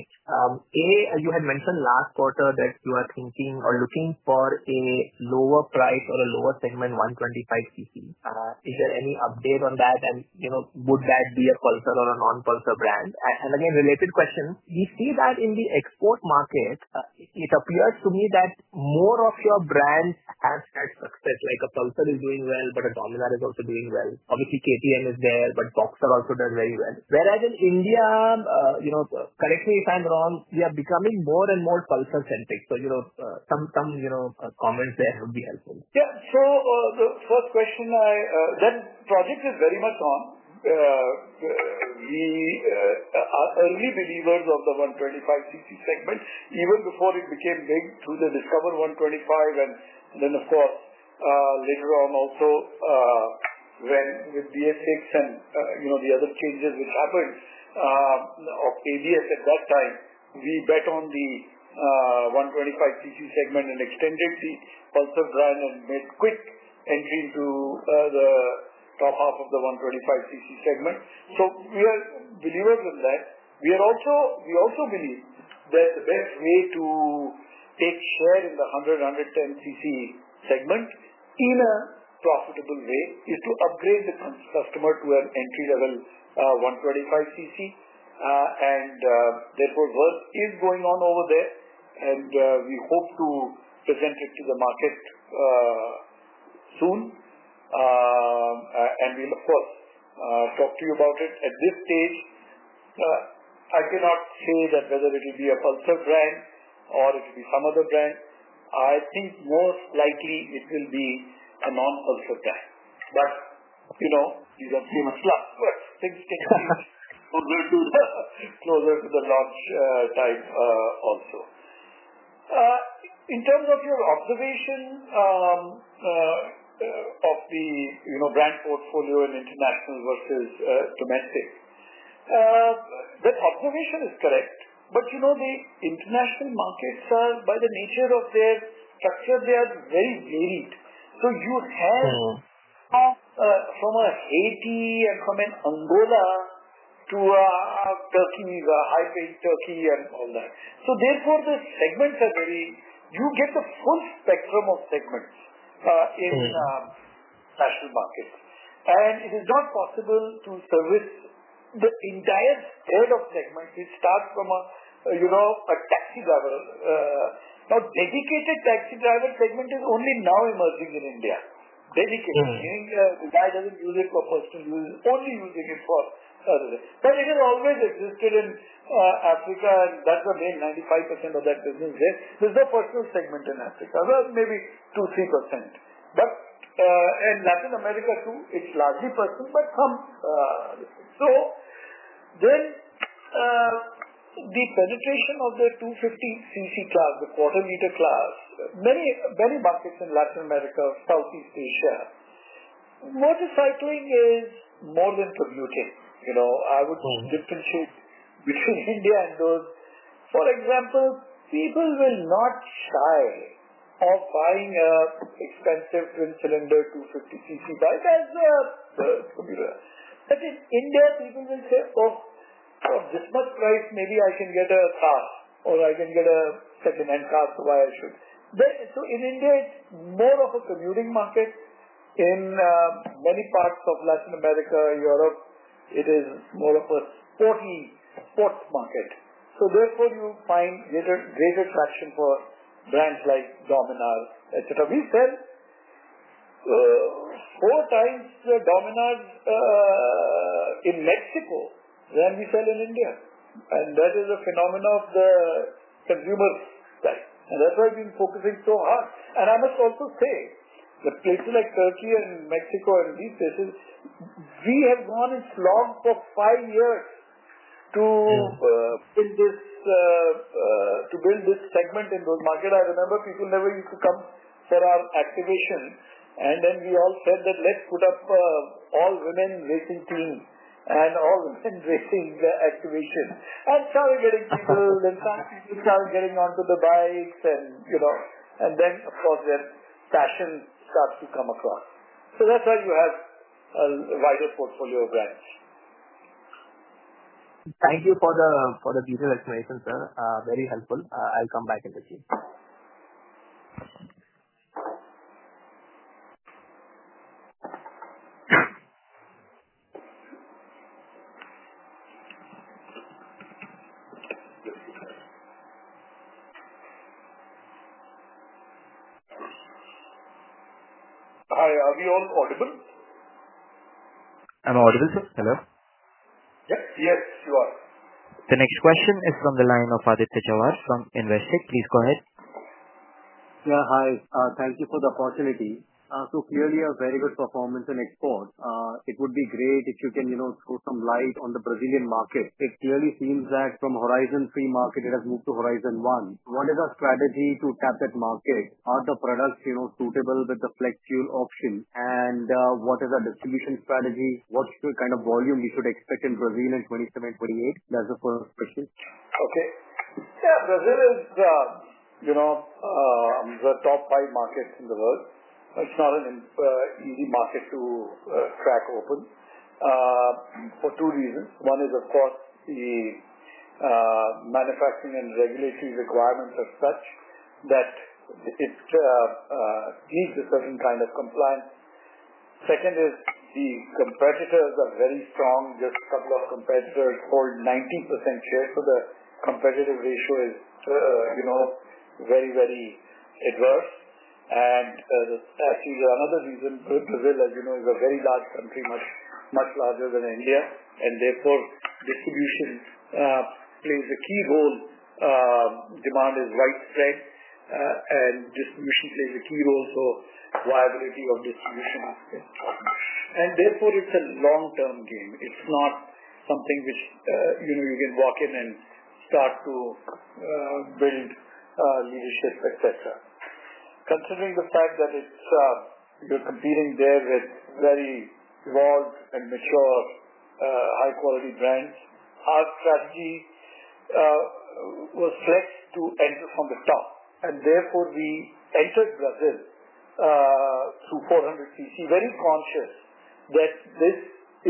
You had mentioned last quarter that you are thinking or looking for a lower price or a lower segment. 125cc, is there any update on that? Would that be a Chetak or a non Pulsar brand? Related question, we in the Export market, it appears to me that. More of your brands have that success like a Pulsar is doing well, but a Dominar is also doing well. Obviously KTM is there, but Boxer also does very well. Whereas in India, you know, correct me. If I'm wrong, we are becoming more and more Pulsar centric. Some comments there would be helpful. Yeah, the first question then. Project is very much on. We are early believers of the 125cc segment even before it became big through the Discover 125. Later on also, with the FX and the other changes which happened, at that time we bet on the 125cc segment. In extended seat Pulsar, it made quick entry into the top half of the 125cc segment. We are delivered from that. We also believe that the best way to take share in the 100cc segment in a profitable way is to upgrade the customer to an entry level 125cc, and therefore work is going on over there. We hope to present it to the market soon and we'll of course talk to you about it. At this stage, I cannot say whether it will be a Pulsar brand or it will be some other brand. I think most likely it will be a non-alpha tag, but you know you get things closer to the not type. Also. In terms of your observation. Of. The brand portfolio in international versus domestic, the observation is correct. You know the international markets are by the nature of their structure, they are very varied. You heard from a 80 and. From an Angola to Turkey, high page Turkey and all that. Therefore, the segments are very, you get a full spectrum of segments. In fast food markets, it is. Not possible to service the entire point of segment. We start from a taxi driver. Now, dedicated taxi driver segment is only now emerging in India, basically doesn't use. It for personally using it. Has always existed in Africa, and that's. The main 95% of that business is the personal segment in Africa, maybe 2%. 3% and Latin America too. It's largely personal, but some. Then the penetration of the 250cc. Class the quarterly, the class, many, many markets in Latin America, Southeast Asia, Moja. Cycling is more than for you. You know, I would differentiate between India and those. For example, people will not sign as. Buying an expensive twin cylinder 250cc type. As they are computer, in India people will say for this much price maybe I can get. A car or I can get a segment car. Why I should. In India it's more of a commuting market. In many parts of Latin America and Europe, it is more of a sporty sports market. Therefore, you find greater traction for brands like Dominar, etc. We still have 4x the dominance in. Mexico than we fell in India, and that is a phenomenon of the consumers, and that's why I've been focusing. I must also say that places like Turkey and Mexico and these places we have gone in, slog for five years to fill this, to build this segment in those markets. I remember people never used to come set our activation and then we all. Said that let's put up all women racing team and all of racing activation and started getting started, getting onto the. Bikes and you know, their fashion starts to come across. That's why you have a wider portfolio of brands. Thank you for the detailed explanation, sir. Very helpful. I'll come back in a few. Hi, are we all audible? I'm audible, sir. Hello, the next question is from the line of Aditya from Investec. Please go ahead. Yeah, hi. Thank you for the opportunity. Clearly a very good performance in export. It would be great if you can put some light on the Brazilian market. It really seems that from horizon free market it has moved to horizon. What is our strategy to tap at market? Are the products suitable with the flex fuel option, and what is our distribution strategy? What's the kind of volume we should expect in Brazil in 2027-2028? That's the first question. Okay. Yeah. Brazil is the, you know, the top five markets in the world. It's not an easy market to crack open for two reasons. One is of course the manufacturing and regulatory requirements are such that it's a certain kind of compliance. Second is the competitors are very strong. Just a couple of competitors hold 90% here. The competitive ratio is, you know, very, very adverse. Another reason, Brazil as you know is a very large sum, pretty much much larger than India and therefore distribution plays a key role. Demand is right and distribution plays a key role. Viability of distribution and therefore it's a long-term game. It's not something which, you know, you can walk in and start to build leadership etc. Considering the type that is we're competing there with very raw and mature high quality brands. Our strategy was stretched to enter from the top and therefore we entered Brazil through 400cc. Very conscious that this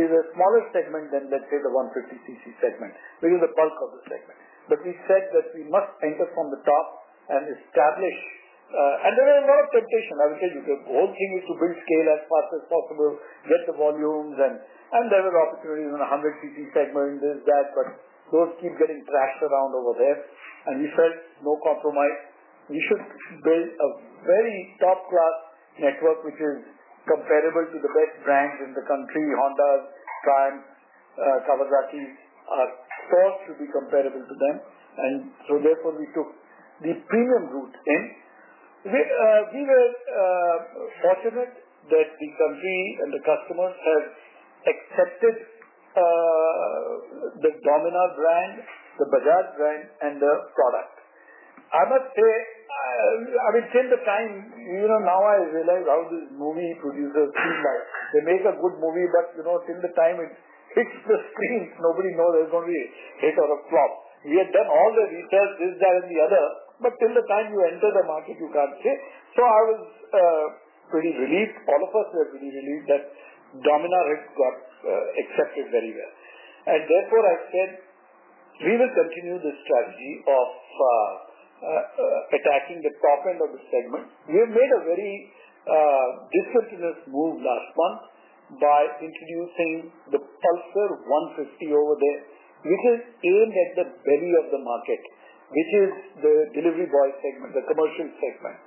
is a smaller segment than, let's say, the 150cc segment. We use the bulk of the segment but we said that we must anchor from the top and established and there are many expectations to build scale as fast as possible, get the volumes. There was opportunity in 100 CT segment, there's that. Those keep getting thrashed around over there. We felt no compromise. We should build a very top class network which is comparable to the best brands in the country. Honda, Prime Carbon, Rockies stores should be comparable to them. Therefore we took this premium route in. We were fortunate that the company and. The customers have accepted the Dominar brand, the Bajaj brand and the product. I must say, I mean, since the. Time, you know, now I realize how these movie producers feel. They make a good movie, but they don't. By the time it hits the screens, nobody knows. It's only taken out a flop. We had done all the retest this. That and the other. Till the time you enter the market you can't say, so I was pretty relieved. All of us were really relieved that Dominar has got accepted very well. Therefore, I said we will continue this strategy of attacking the top end of the segments. We have made a very diffusionist move last month by introducing the Pulsar 150 over there, which is same as the belly of the market, which is the delivery boys segment, the commercial segment.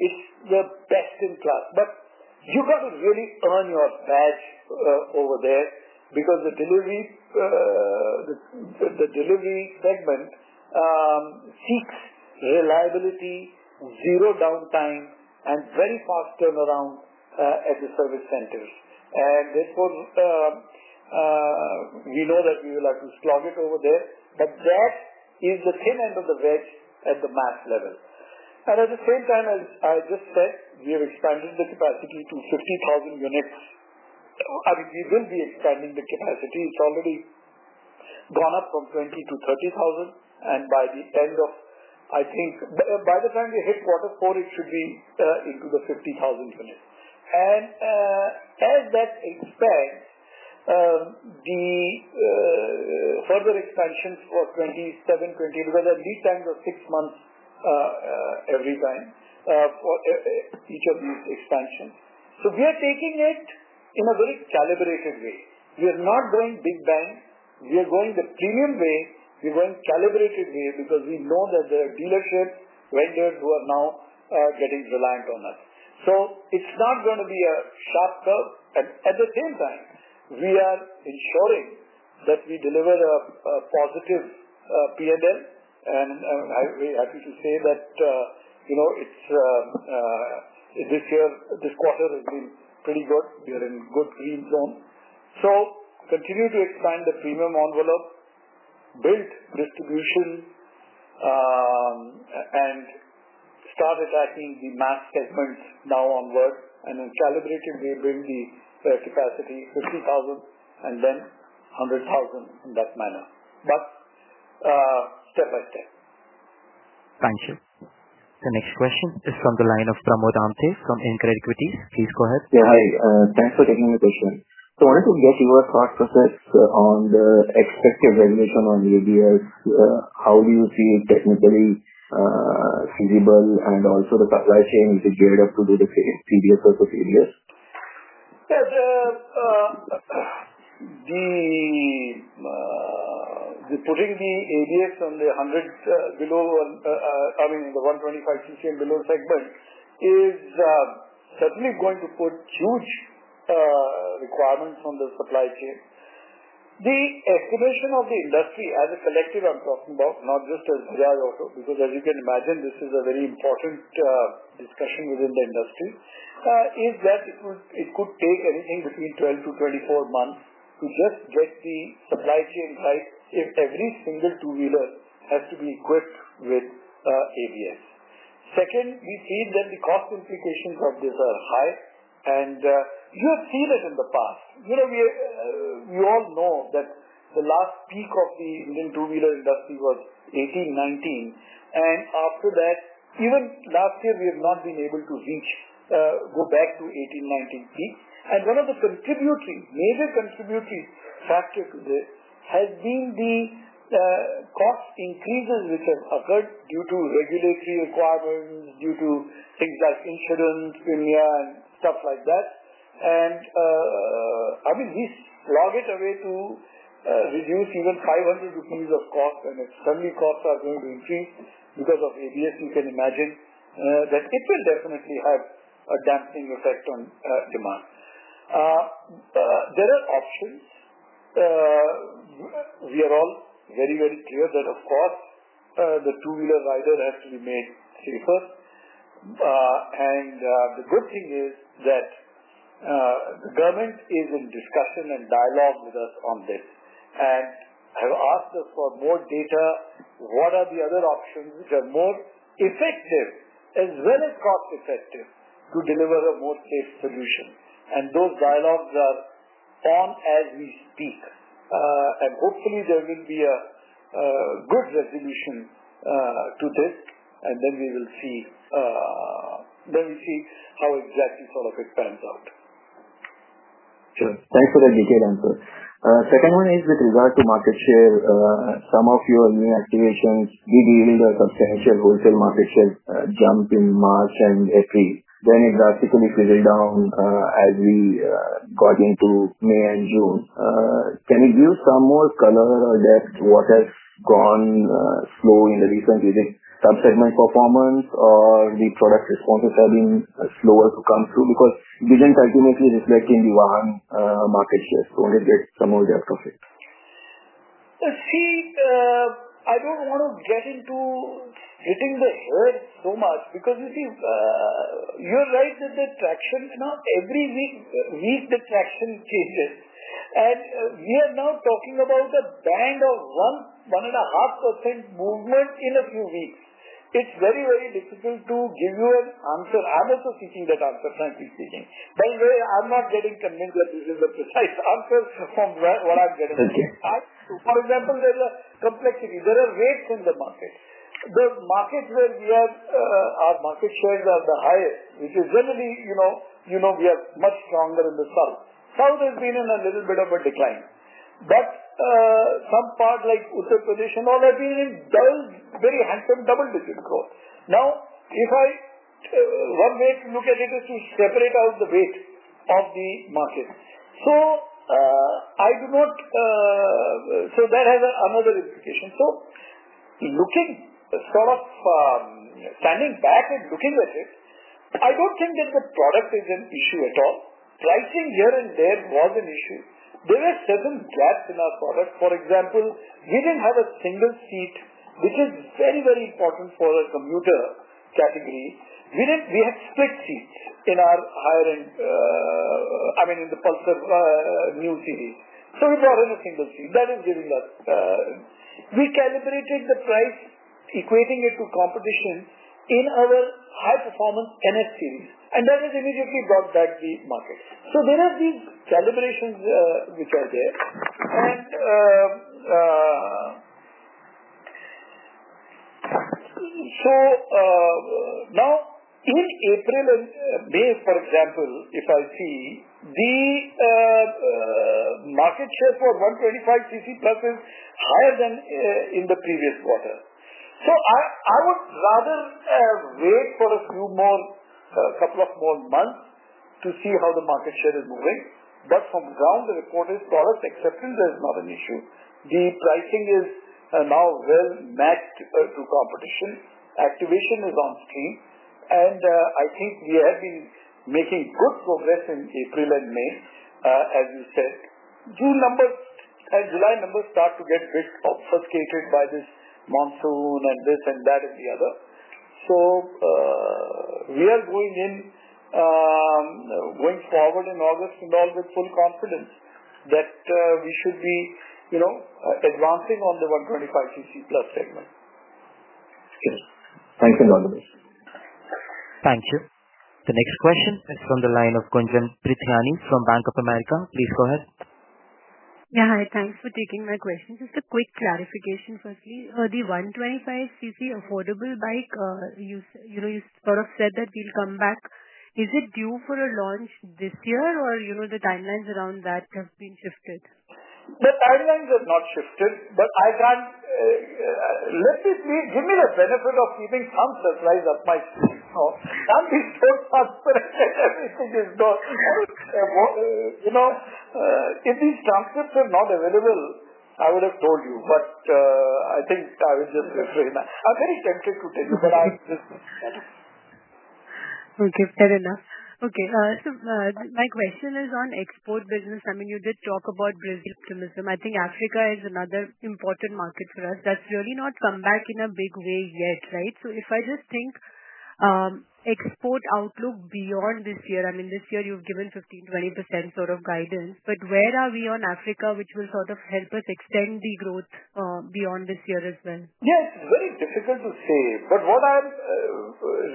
It's their best in class. You got to really earn your badge over there because the delivery, the delivery. Segment seeks reliability, zero downtime, and very. Fast turnaround at the service centers. We know that we will have to slog it over there, but that is the thin end of the wedge at the max level. At the same time I just. Said we have expanded the capacity to 50,000 units. I mean, we will be extending the capacity. It's already gone up from 20,000 to 30,000. By the time you hit quarter four, it should be into the 50,000. That explains the further expansions. For 2720 was at least times of six months every time each of these expansion. We are taking it in a very calibrated way. We are not going big bang, we. are going the premium way. We're going calibrated here because we know that there are dealerships, vendors who are now getting reliant on us. It is not going to be a sharp curve. At the same time, we are ensuring that we deliver a positive peer there. We should say that, you know, this year, this quarter has been pretty good. We are in good games zone. Continue to expand the premium envelope, build distribution, and start attacking the math segments now on work and in calibrating. They bring the capacity to 50,000 and then 100,000 in that manner. That's step by step. Thank you. The next question is from the line of Pramod Amthe from InCred Equity. Please go ahead. Yeah, hi, thanks for taking the question. I wanted to get your thoughts. First on the expected resolution on BACL. How do you feel technically feasible? Also, the supply chain is geared up to do the CDF. The. Putting the ABS on the 100 below, I mean the 125cc and below segment is certainly going to put huge requirements on the supply chain. The creation of the industry as a selective. I'm talking about not just a dry auto, because as you can imagine, this is a very important discussion within the industry, as it could take anything between 12 months-24 months to just get the supply chain right in. Every single two wheeler has to be equipped with ABS. Second, we see that the cost configurations. Of this are high, and you have. Seen it in the past. We all know that. The last peak of the Indian two-wheeler industry was 2018-2019 and after that. Even last year we have not been. Able to reach, go back to 18:19. One of the major contributing factors has been the cost increases which have. Occurred due to regulatory requirements, due to things like incidents in India and stuff like that. I mean, he's logged away to reduce even 500 rupees of cost. If safety costs are going to increase because of EVs, you can imagine that it will definitely have a dampening effect on demand. There are options. We are all very, very clear that, of course, the two-wheeler rider has to be made safer. The good thing is that the government is in discussion and dialogue with us on this and has asked us for more data. What are the other options which are more effective as well as cost effective to deliver a more safe solution? Those dialogues are formed as we speak, and hopefully there will be a good resolution to this. We will see how exactly it pans out. Sure. Thanks for the detailed answer. Second one is with regard to market share. Some of your new activations did even the substantial wholesale market share jump in March and few then it drastically fizzled. Down as we got into May and June. Can you give some more color on that? What has gone slow in the recent. Digit subsegment performance or the product responses. Are even slower to come through because. Diving continuously, reflecting the 1% market share. There's some more delta fit. I don't want to get into it. Hitting the head so much because you. You write that the traction, not every week, the traction changes, and we are not talking about the band of 1% -1.5% movement in a few weeks. It's very, very difficult to give you an answer. I'm also teaching that answer, Francis, teaching. Same way I'm not getting to mingles. Okay, nice answers from what I'm getting. For example, there's a complexity, there are. Risk on the market. The markets where we are, our market. Shares are the highest, which is generally, you know, we are much stronger in the south. South has been in a little bit of a decline, that's some part like very handsome double digit growth. Now if I one way look at it is to separate out the rate at the market. I do not. That has another implication. Looking sort of standing back and looking at this, I don't think that. The product is an issue at all pricing here and there was an issue. There were certain parts in our product. For example, we didn't have a single seat, which is very, very important for a commuter category. We didn't. We have split seats in. Our higher end, I mean in the Pulsar new series, we brought in a single seat. That is giving us, we calibrated the price equating it to competition in our high performance 10X series, and that is. Immediately brought back the market. There are these collaborations which are. There. Now even April and May for example if I see the. Market. Share for 125cc+ is higher than. In the previous quarter, I would rather wait for a few more, a couple of more months to see how the market share is moving. From ground, the report is startups. Accepted, there is not an issue. The pricing is now well matched to competition, activation is on stream, and I think we have been making good progress in April and May as we said. June numbers and July numbers start to. Get a bit obfuscated by this monsoon, this and that and the other. We are going in, going forward in August and all with full confidence. That we should be, you know, advancing. On the 125cc+ segment, thank you. Thank you. The next question is from the line. Of Gunjan Prithyani from Bank of America. Please go ahead. Yeah, hi, thanks for taking my question. Just a quick clarification. Firstly, the 125cc affordable bike, you sort of said that they'll come back. Is it due for a launch this year, or the timelines around that have been shifted? The timelines have not shifted. Can't let this give me the benefit. Of keeping some supplies up my sleeve, transparent. You know if these transcripts are not. Available, I would have told you, but I think. Okay, fair enough. Okay. My question is on export business. You did talk about brisk optimism. I think Africa is another important market for us that's really not come back in a big way yet. Right. If I just think export outlook beyond this year, this year you've given 15%-20% sort of guidance, but where are we on Africa, which will sort of help us extend the growth beyond this year as well? Yeah, it's very difficult to say, but what I'm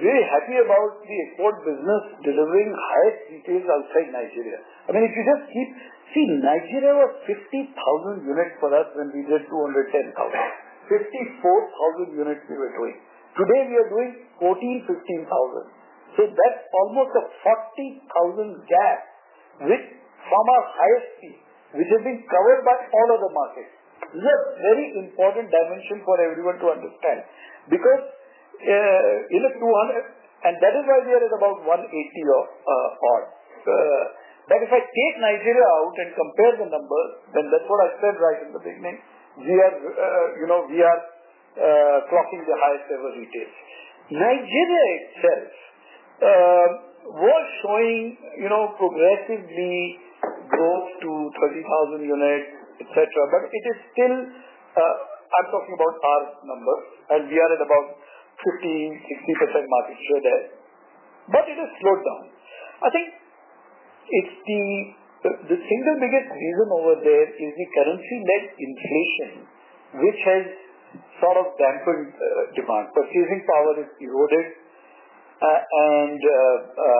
really happy about is the export business delivering highest details outside Nigeria. I mean, if you just keep seeing, Nigeria was 50,000 units for us when we did 210,000. 54,000 units we were doing. Today we are doing 14,000, 15,000. That's almost a 40,000 gas, which. From our highest fee, which has been. Covered by all other markets. Very important dimension for everyone to understand because. That is where there is about. If I take Nigeria out and compare the numbers, then that's what I said right in the beginning. We are clocking the highest ever retail. Nigeria itself was showing, you know, progressively. Go to 30,000 units, etc., but it is still. I'm talking about our number, and we are at about 40%-50% market share. There, but it has slowed down. I think it's the. The single biggest reason over there is the currency net inflation, which has sort of banned demand. Purchasing power is eroded. The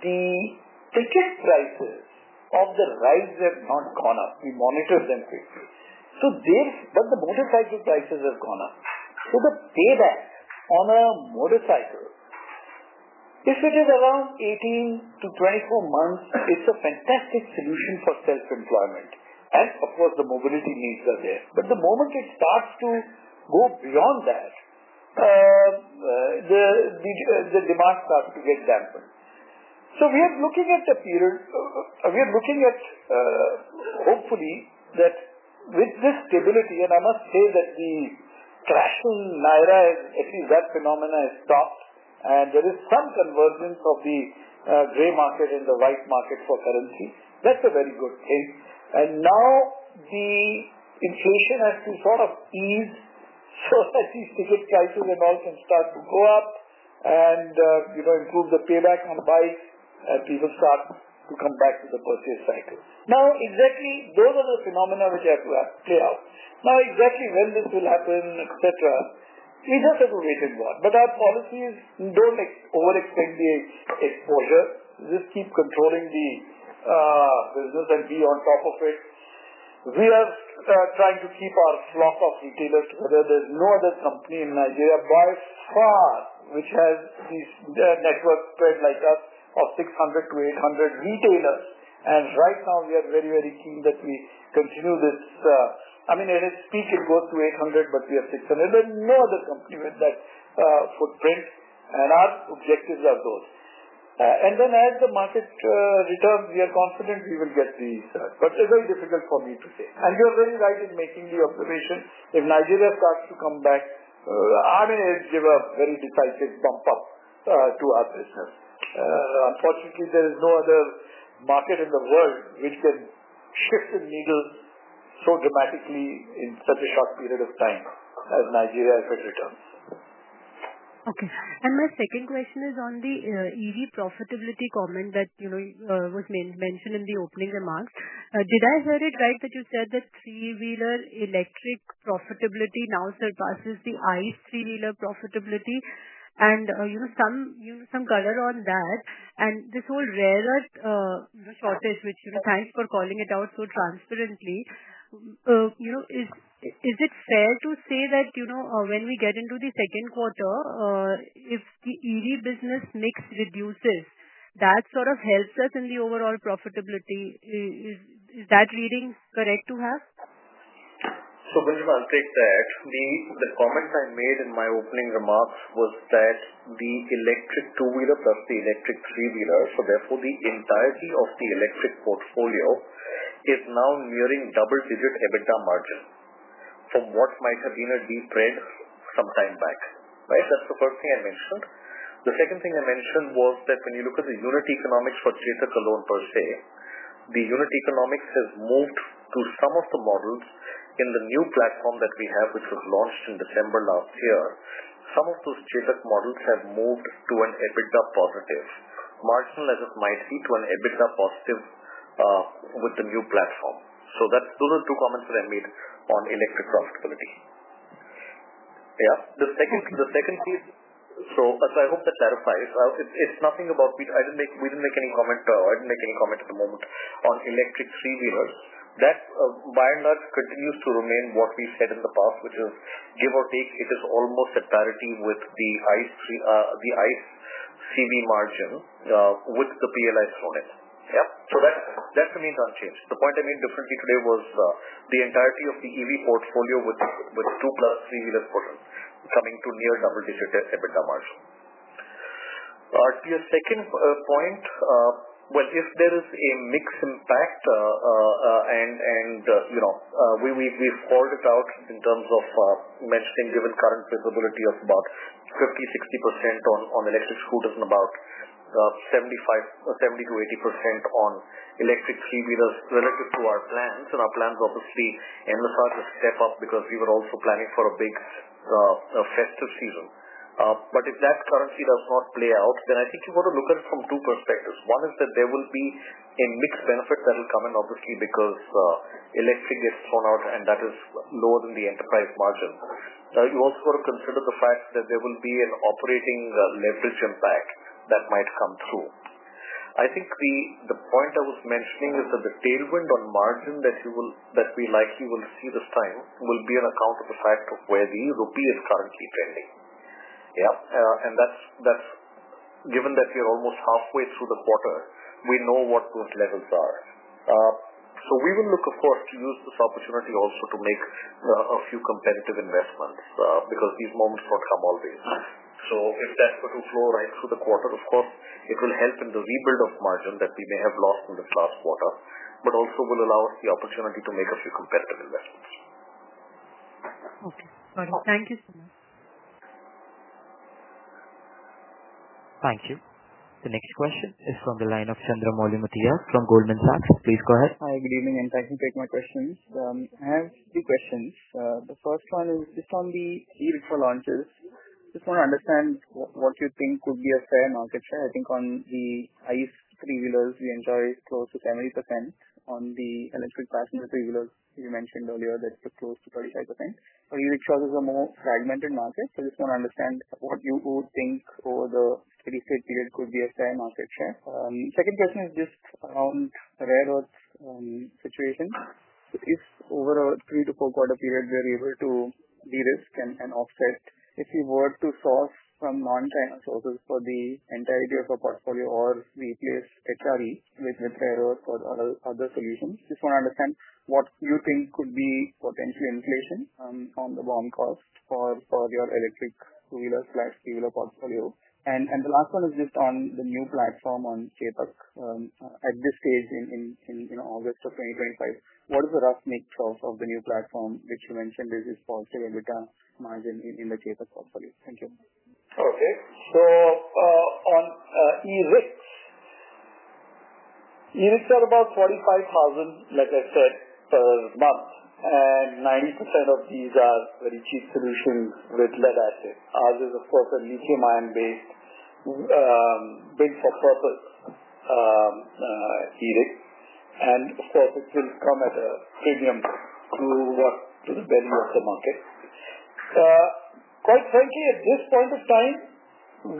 pre. Kick cycle of the rise have not gone up in monitors and pictures. Motorcycle prices have gone up. On a motorcycle, if it is around 18 months-24 months, it's fantastic. Solution for self-employment and of course the mobility needs are there, but the moment it starts to go beyond that, the demand starts to get dampened. We are looking at the period. We are looking at hopefully that. This stability, and I must say that. The crashing naira, at least that phenomenon is stopped, and there is some convergence of the gray market and the white market for currency. That's a very good thing. Now the inflation has been sort of eased, as if it calculated, all can start to go up and you. Now improve the payback on buys, and people start to come back to the pursuit cycle now. Exactly. Those are the phenomena which are clear now. Exactly when this will happen, etc., is a segregation. Our policies don't overextend the exposure. Just keep controlling the business and be on top of it. We are trying to keep our flock of retailers. There is no other company in Nigeria by far which has this network spread like us of 600-800 retailers. Right now we are very, very keen that we continue this. I mean at its speed it goes. To 800, but we have 600, and no other company with that footprint, and our objectives are those. As the market returns, we. Are confident we will get three. Sir, it's very difficult for me to say, and you're very right in making the observation. If Nigeria starts to come back, army will give a very decisive stump up to others. Unfortunately, there is no other market in the world it can shift the needle so dramatically in such a short period of time if Nigeria returns. Okay, and my second question is on the EV profitability comment that you know was mentioned in the opening remarks. Did I hear it right that you said that three wheeler electric profitability now surpasses the ICE three wheeler profitability, and you know, some color on that and this whole rare earth shortage which you know, thanks for calling it out so transparently. You know, is it fair to say that you know, when we get into the second quarter, if the EV business mix reduces, that sort of helps us in the overall profitability. Is that reading correct to have? I'll take that. The comment I made in my opening remarks was that the electric two wheeler plus the electric three wheeler, so therefore the entirety of the electric portfolio, is now nearing double digit EBITDA margin. From what my Sabina deep ran some time back, that's the first thing I mentioned. The second thing I mentioned was that when you look at the unit economics for Chetak alone per se, the unit economics has moved to some of the models in the new platform that we have, which was launched in December last year. Some of those Chetak models have moved to an EBITDA positive margin, as it might see to an EBITDA positive with the new platform. Those are two comments for Amit on electric profitability. Yeah, the second piece. I hope that clarifies. It's nothing about Peter I didn't make. We didn't make any comment. I didn't make any comment at the moment on electric C lever. That by and large continues to remain what we said in the past, which is give or take it is almost at parity with the ICE margin with the PLI thrown in. Yeah. That remains unchanged. The point I mean differently today was the entirety of the EV portfolio with two plus quarters coming to near double-digit EBITDA margin. Second point, if there is a mix impact. We called it out in terms of mentioning given current visibility of about 50%-60% on the next issue and about 70%-80% on electric 3-wheelers directed to our plans. Our plans obviously entail a step up because we were also planning for a big festive season. If that currency does not play out, I think you want to look at it from two perspectives. One is that there will be a. Mixed benefit that will come in obviously because electricity gets thrown out. That is lower than the enterprise margin. You also want to consider the fact that there will be an operating leverage impact that might come through. I think the point I was mentioning is that the tailwind on margin that we likely will see this time will be an account of the fact of where the rupee is currently trending. That's given that we are almost halfway through the quarter. We know what those levels are. We will look of course to. Use this opportunity also to make a few competitive investments, because these moments don't come all day. If that were to flow right through the quarter, of course it will help in the rebuild of margin that we may have lost in the past quarter, and also will allow us the opportunity to make a few competitive investments. Okay, thank you so much. Thank you. The next question is from the line of Chandramouli Muthiah from Goldman Sachs. Please go ahead. Hi, good evening, and thank you. Take my questions. I have two questions. The first one is just on the e-auto launches. Just want to understand what you think would be a fair market share. I think on the ICE three-wheelers the entire is close to 70%. On the electric passenger three-wheelers you mentioned earlier that close to 35% are e-rickshaws. It's a more fragmented market. Just want to understand what you. Would think over the three-set period. Could be a fair market share. Second question is just around rare earth situation. If over a three to four quarter period we're able to de-risk and offset if you were to source. From non-channel sources for the entirety. Of our portfolio or replace HRE with error for other solutions. Just want to understand what you think could be potentially inflation on the BOM. Cost for your electric 3-wheeler dealer portfolio. The last one is just on. The new platform on TecPac at this. Stage in August of 2025. What is the roughness of the new? Platform which you mentioned, is this positive? EBITDA margin in the data portfolio. Thank you. Okay, so on e-rickshaw, e-rickshaws. Are about 45,000 like I said per month and 90% of these are receive solutions with lead acid. Ours is of course a lithium ion based, built for purpose. It will come at a medium through what little belly of the market. Quite frankly, at this point of time,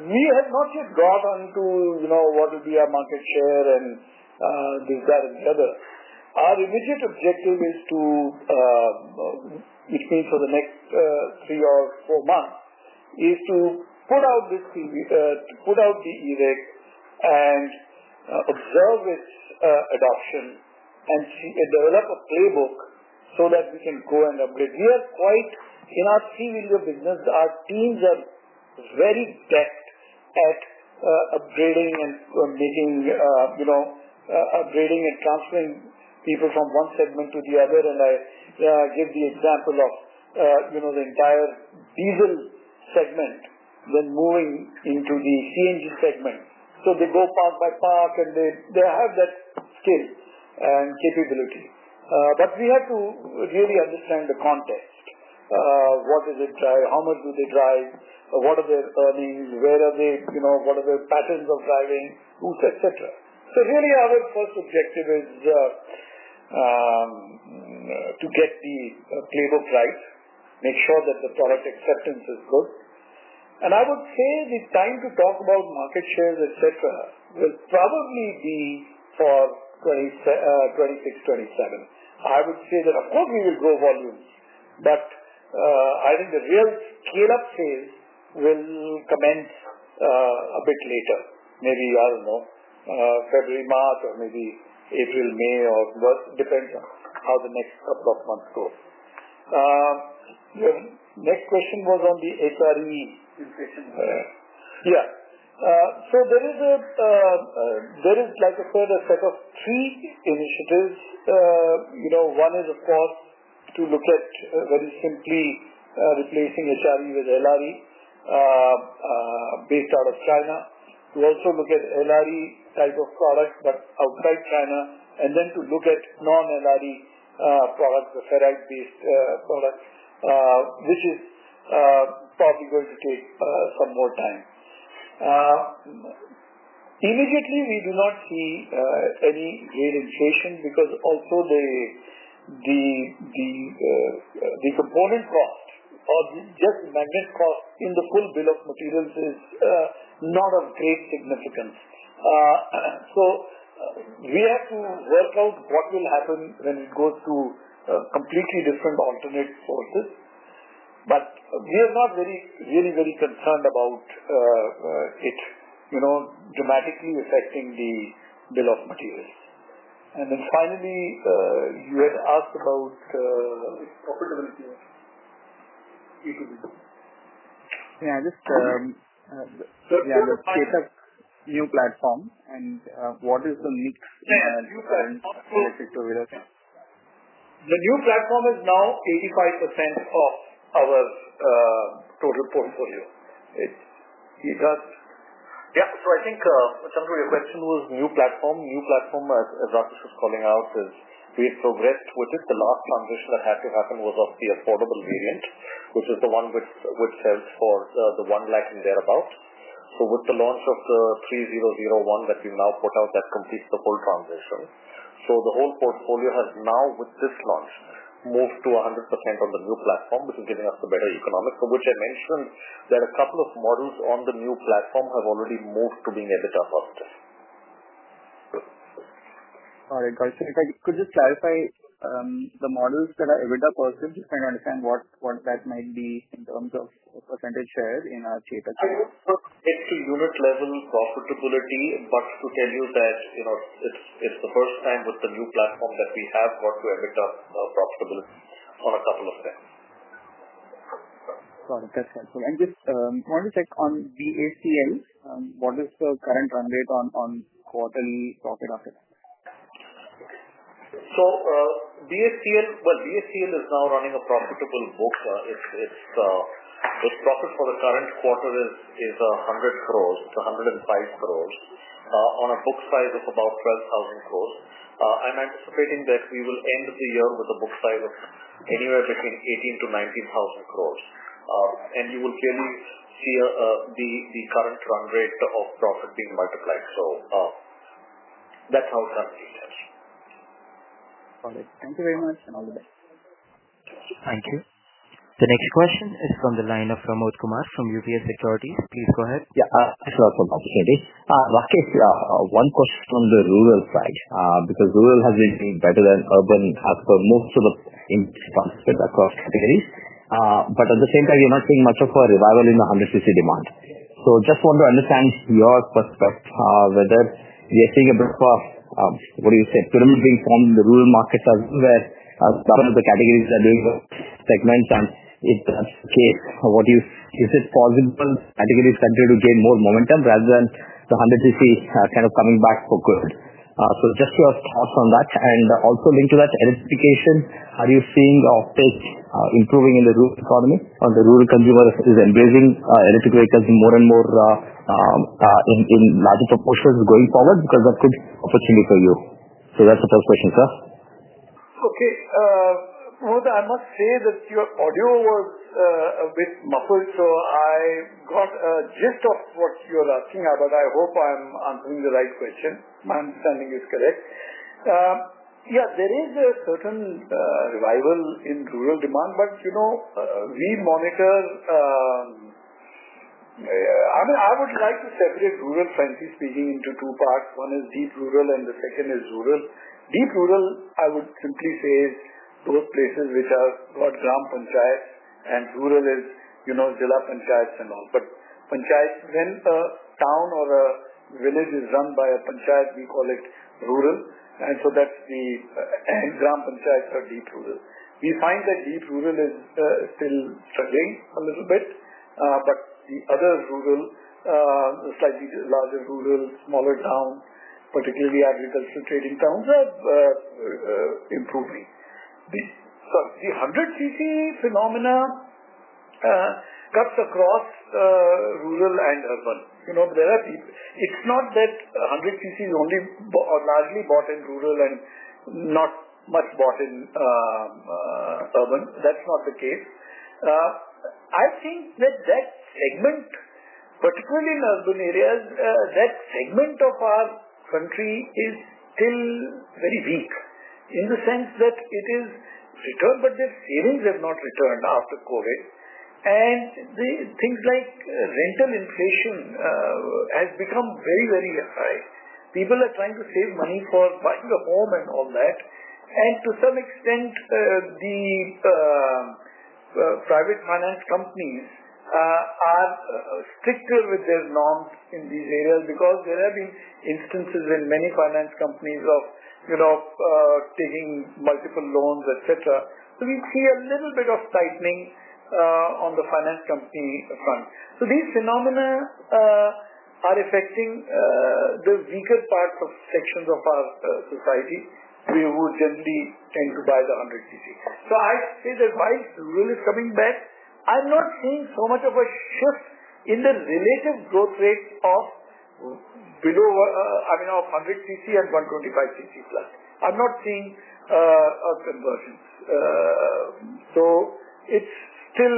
we had not yet got on to. You know, what is the market share and this, that and the other. Our immediate objective is to be think of the next three or four months. Is to put out this. The ERIC and observe its adoption and develop a playbook so that we can go and upgrade. We are quite in our series of business. Our teams are very zestful of upgrading. are making, you know, upgrading and transferring people from one segment to the other. I give the example. You know, the entire diesel segment when moving into the ICE engine segment. They go park by park. They have that skill and capability, but we have to really understand the context. What does it say, how much do they drive, what are their earnings, where are they, you know, what are their patterns of driving, etc. Really, our first objective is. To. Get the playbook right, make sure that the product acceptance is good, and I. Would say the time to talk about. Market shares, et cetera will probably be for 2026, 2027. I would say that probably will grow volumes, but I think the real scale up sales will commence a bit later, maybe, I don't know, February, March, or maybe April, May or what. Depends on how the next couple of months goes. Your next question was on the HRE institution? Yeah, there is, like I said, a set of three initiatives. You know, one is of course to look at very simply replacing HRE. With NRE. Based out of China. We also look at LR type of products outside China, and then look at non-LRE products, the ferrite-based product, which is probably going to take some more time. Immediately, we do not. See any green inflation because also the component cost or this magnet cost in the full bill of materials is not of great significance. We have to work out what will happen when it goes to a completely different alternate. We are not really very concerned about it, you know, dramatically affecting the bill of materials. Finally, you asked about profitability. Yeah, just. Yeah. New platform and what is the needs in our new current. The new platform is now 85% of our total portfolio. It does. Yeah, I think some of your question was new platform. New platform at Bajaj Auto is calling out its trade progress, which is the. Last transition that had to happen was. Of the affordable variant, which is the one which would sell for 1 lakh and thereabouts, with the launch of the 3001 that we now put out, that completes the whole transition. The whole portfolio has now, with this launch, moved to 100% on the new platform, which is giving us the better economics, for which I mentioned that a couple of models on the new platform have already moved to being EBITDA. All right. If I could just clarify the models that are with the person, just trying to understand what that might. Be in terms of percentage share in. A check unit lesion and coffee trip tell you that you know it's the first time with the new platform that we have got to make of profitability on a couple of times. Right, that's helpful. I just want to check on the AUM and what it is. The current run rate on quarterly profitability. So DSTL. DSTL is now running a profitable book. Its profit for the current quarter is 100 crore. It's 105 crore on a book size of about 12,000 crore. I'm anticipating that we will end the year with a book size of anywhere between 18,000-19,000 crore. You will clearly see the current run rate of profit being multiplied. That's how something changes. All right, thank you very much and all the best. Thank you. The next question is from the line of Pramod Kumar from UBS Securities. Please go ahead. Yeah. One question from the rural side because rural has been better than urban across categories, but at the same time you're not seeing much of a revival in the 150 demand. I just want to understand your first. Whether you're seeing a bit of. What do you say to reform the rural markets where some of the categories are doing stagnant time? It does say what is it falls in categories continue to gain more momentum rather than the 100cc kind of coming back occurred. Just to start from that and also link to that identification, are you seeing the offtake improving in the rural economy or the rural consumer is engaging electric vehicles more and more in larger proportions going forward because that could be an opportunity for you. That's the first question, sir. Okay, I must say that your audio. Was a bit muffled so I got a gist of what you're asking, but I hope I'm answering the right question. My understanding is correct. Yeah, there is a certain revival in rural demand, but you know we monitor. I mean, I would like to separate rural, frankly speaking, into two parts. One is deep rural and the second is rural. Deep rural I would simply say is both places which have got Gram Panchayat on site, and rural is, you know, dilapanchayats and all, but when a town or a village is run by a Panchayat we call it rural, and so that's the Gram Panchayats or deep rural. We find that deep rural is still struggling a little bit, but the other rural, slightly larger rural, smaller town, particularly agricultural trading towns, have improved. The 100cc phenomena cuts across rural and urban. You know, there are people. It's not that 100cc is only largely bought in rural and not much bought in urban. That's not the case. I think that segment, particularly in urban areas, that segment of our country is still very weak in the sense that it has returned but their savings have not returned after Covid. Things like rental inflation have become very, very high. People are trying to save money for. Buying a home and all that. To some extent, the. Private finance. Companies are stricter with their norms. These areas, because there have been instances in many finance companies of, you know, taking multiple loans, etc., we see a little bit of tightening on the finance company fund. These phenomena are affecting the weakest. Parts of sections of our society would generally tend to buy the 100C. I see the guy rule is coming back. I'm not seeing so much of a shift in the relative growth rate of. Below, I mean of 100cc and 125cc. Plus I'm not seeing versions, so it's. Still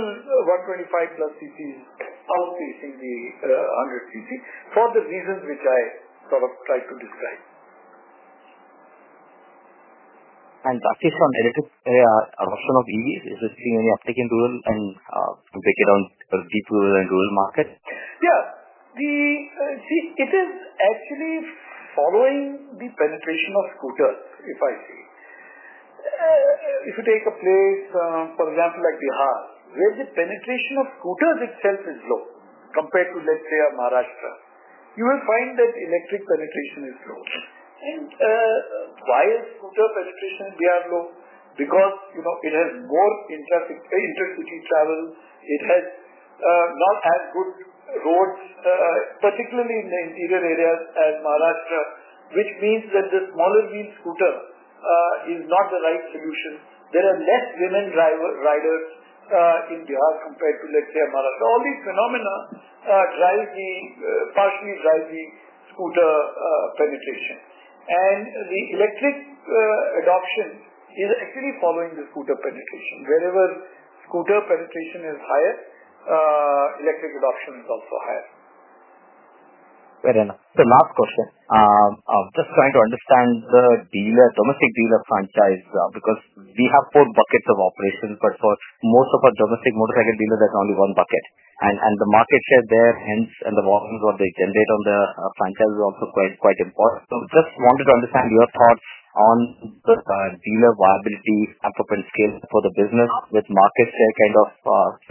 125cc+ is outpacing the 100cc for the reasons which I sort of tried to describe. That is based on additive ease. Is it seeing any uptick in rural and breaking down people and rural market? Yeah, see it is actually following. The penetration of scooter, if I see, if you take a place for example like Bihar where the penetration of scooters itself is low compared to let's say a Maharashtra, you will find that electric penetration is slow. Why is route of expression dialog? Because you know it has more intra-city travel. It has not as good roads, particularly. In the interior area as Maharashtra, which means that the smaller wheel scooter is. Not the right solution. There are less women driver riders. Compared to, let's say, all these phenomena drive the partially driving scooter penetration, and the electric adoption is actually following the scooter penetration. Wherever scooter penetration is higher, electric adoption is also higher. The last question, I'm just trying to understand the domestic dealer franchise because we have four buckets of operations. For most of our domestic motorcycle dealers. There's only one bucket. The market share there, hence the volumes they generate. Franchise is also quite important. Just wanted to understand your thoughts on dealer viability and propensity scale for the business with markets kind of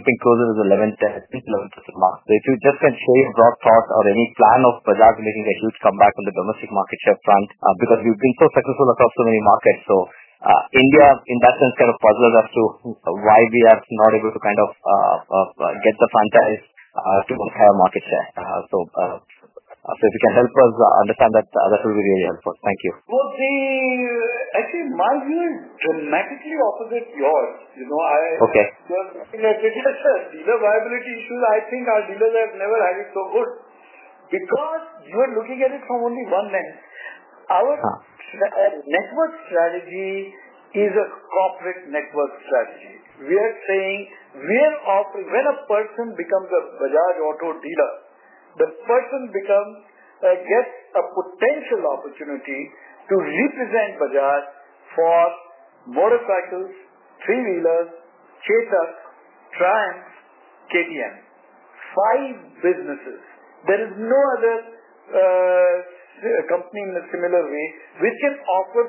closer to 11% mark. If you just can share broad thoughts or any plan of Bajaj making a huge comeback on the domestic market share front because we've been so successful across so many markets. India in that sense kind of. Puzzles as to why we are not able to kind of get the franchise. If you can help us understand that, that will be really helpful. Thank you. I think my view is dramatically opposite yours. These are viability issues. I think our dealers have never had it so good, because you are looking at it from only one lens. Our network strategy is a corporate network strategy. We are saying where often when a. Person becomes a Bajaj Auto dealer, the person becomes I guess a potential opportunity to represent Bajaj for motorcycles, three-wheelers, KTM, Triumph, Kenyan five businesses. There is no other. Company in a. Similar way, which is awkward.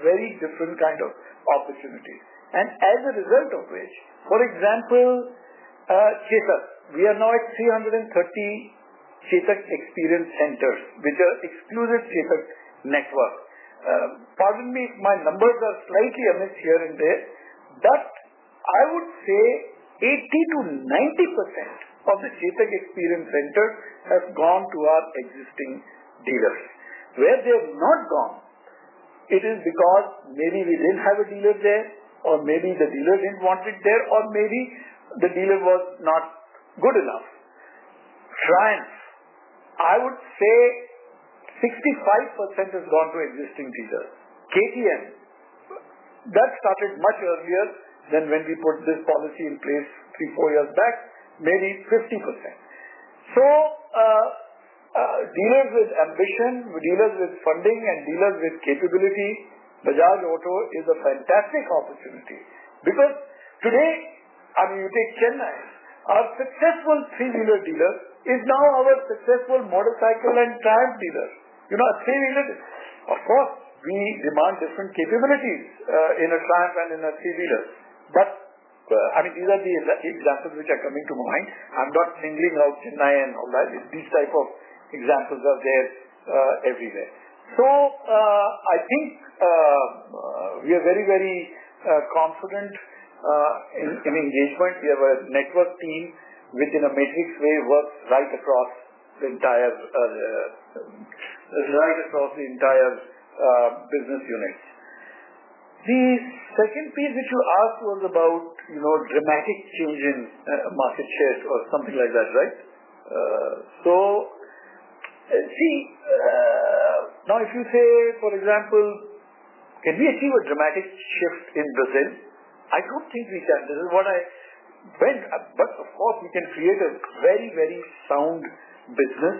5 very different kind of opportunities. As a result of which, for example, we are now at 330 SHAK Experience. Centers which are exclusive network. Pardon me, my numbers are slightly amiss here and there. Thus, I would say 80%-90%. Of the Chetak Experience Center, it has gone to our existing dealers. Where they have not gone, it is because maybe we didn't have a dealer there or maybe the dealers. Didn't want it there or maybe the. Dealer was not good enough. France, I would say 65% has gone. To existing visa KTM. That started much earlier than when we put this policy in place three, four years back. Made it 15%. Dealers with ambition, dealers with funding, and dealers with capability is fantastic. Opportunity because today, I mean you take Chennai, our successful field dealer is now our successful motorcycle and Triumph dealer. You know, of course we demand different. Capabilities in a Triumph in a three-wheeler. I mean these are the examples which are coming to mind. I'm not singling out Chennai and all that. These types of examples are there everywhere. I think we are very, very confident in engagement. We have a network team within a matrix way, works right across the entire business unit. The second piece which you asked was. About, you know, dramatic fusion market shares or something like that, right? If you say for. Example, can we achieve a dramatic shift in Brazil? I don't think we can. This is what I went. Of course, we can create a very, very sound business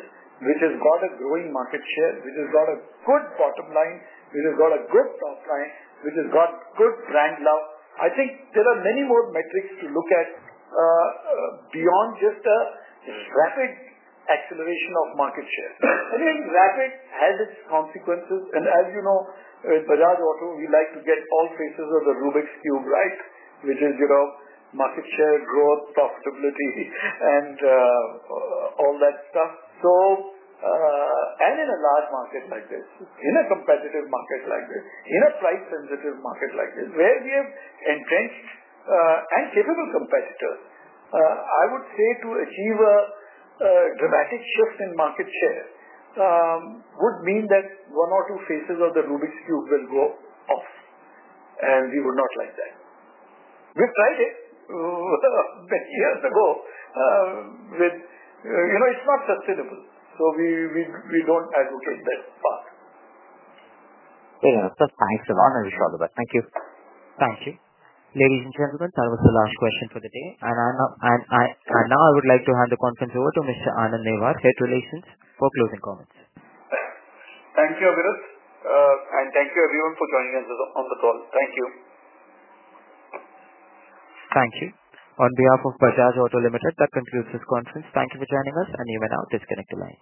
which has got a growing market share, which has got a good bottom line, which has got a good soft line, which has got good brand love. I think there are many more metrics to look at beyond just a rapid acceleration of market share. Again, rapid had its consequences. As you know, with Bajaj Auto we like to get all faces of the Rubik's Cube right, which is, you know, market share growth and all that stuff. In a large market like. In a competitive market like this, in a slightly sensitive market like this where we have entrenched and capable competitor, I would say to achieve a dramatic shift in market share would mean that one or two faces of the Rubik's Cube will go off. We would not like that. We've tried it years ago, you know, it's not sustainable. We don't add. Good. Thanks all the way. Thank you. Thank you, ladies and gentlemen. That was the last question for the day. I would like to hand the conference over to Mr. Anand Newar for closing comments. Thank you. Thank you everyone for joining us on the call. Thank you. Thank you. On behalf of Bajaj Auto Limited, that concludes this conference. Thank you for joining us. You may now disconnect your line.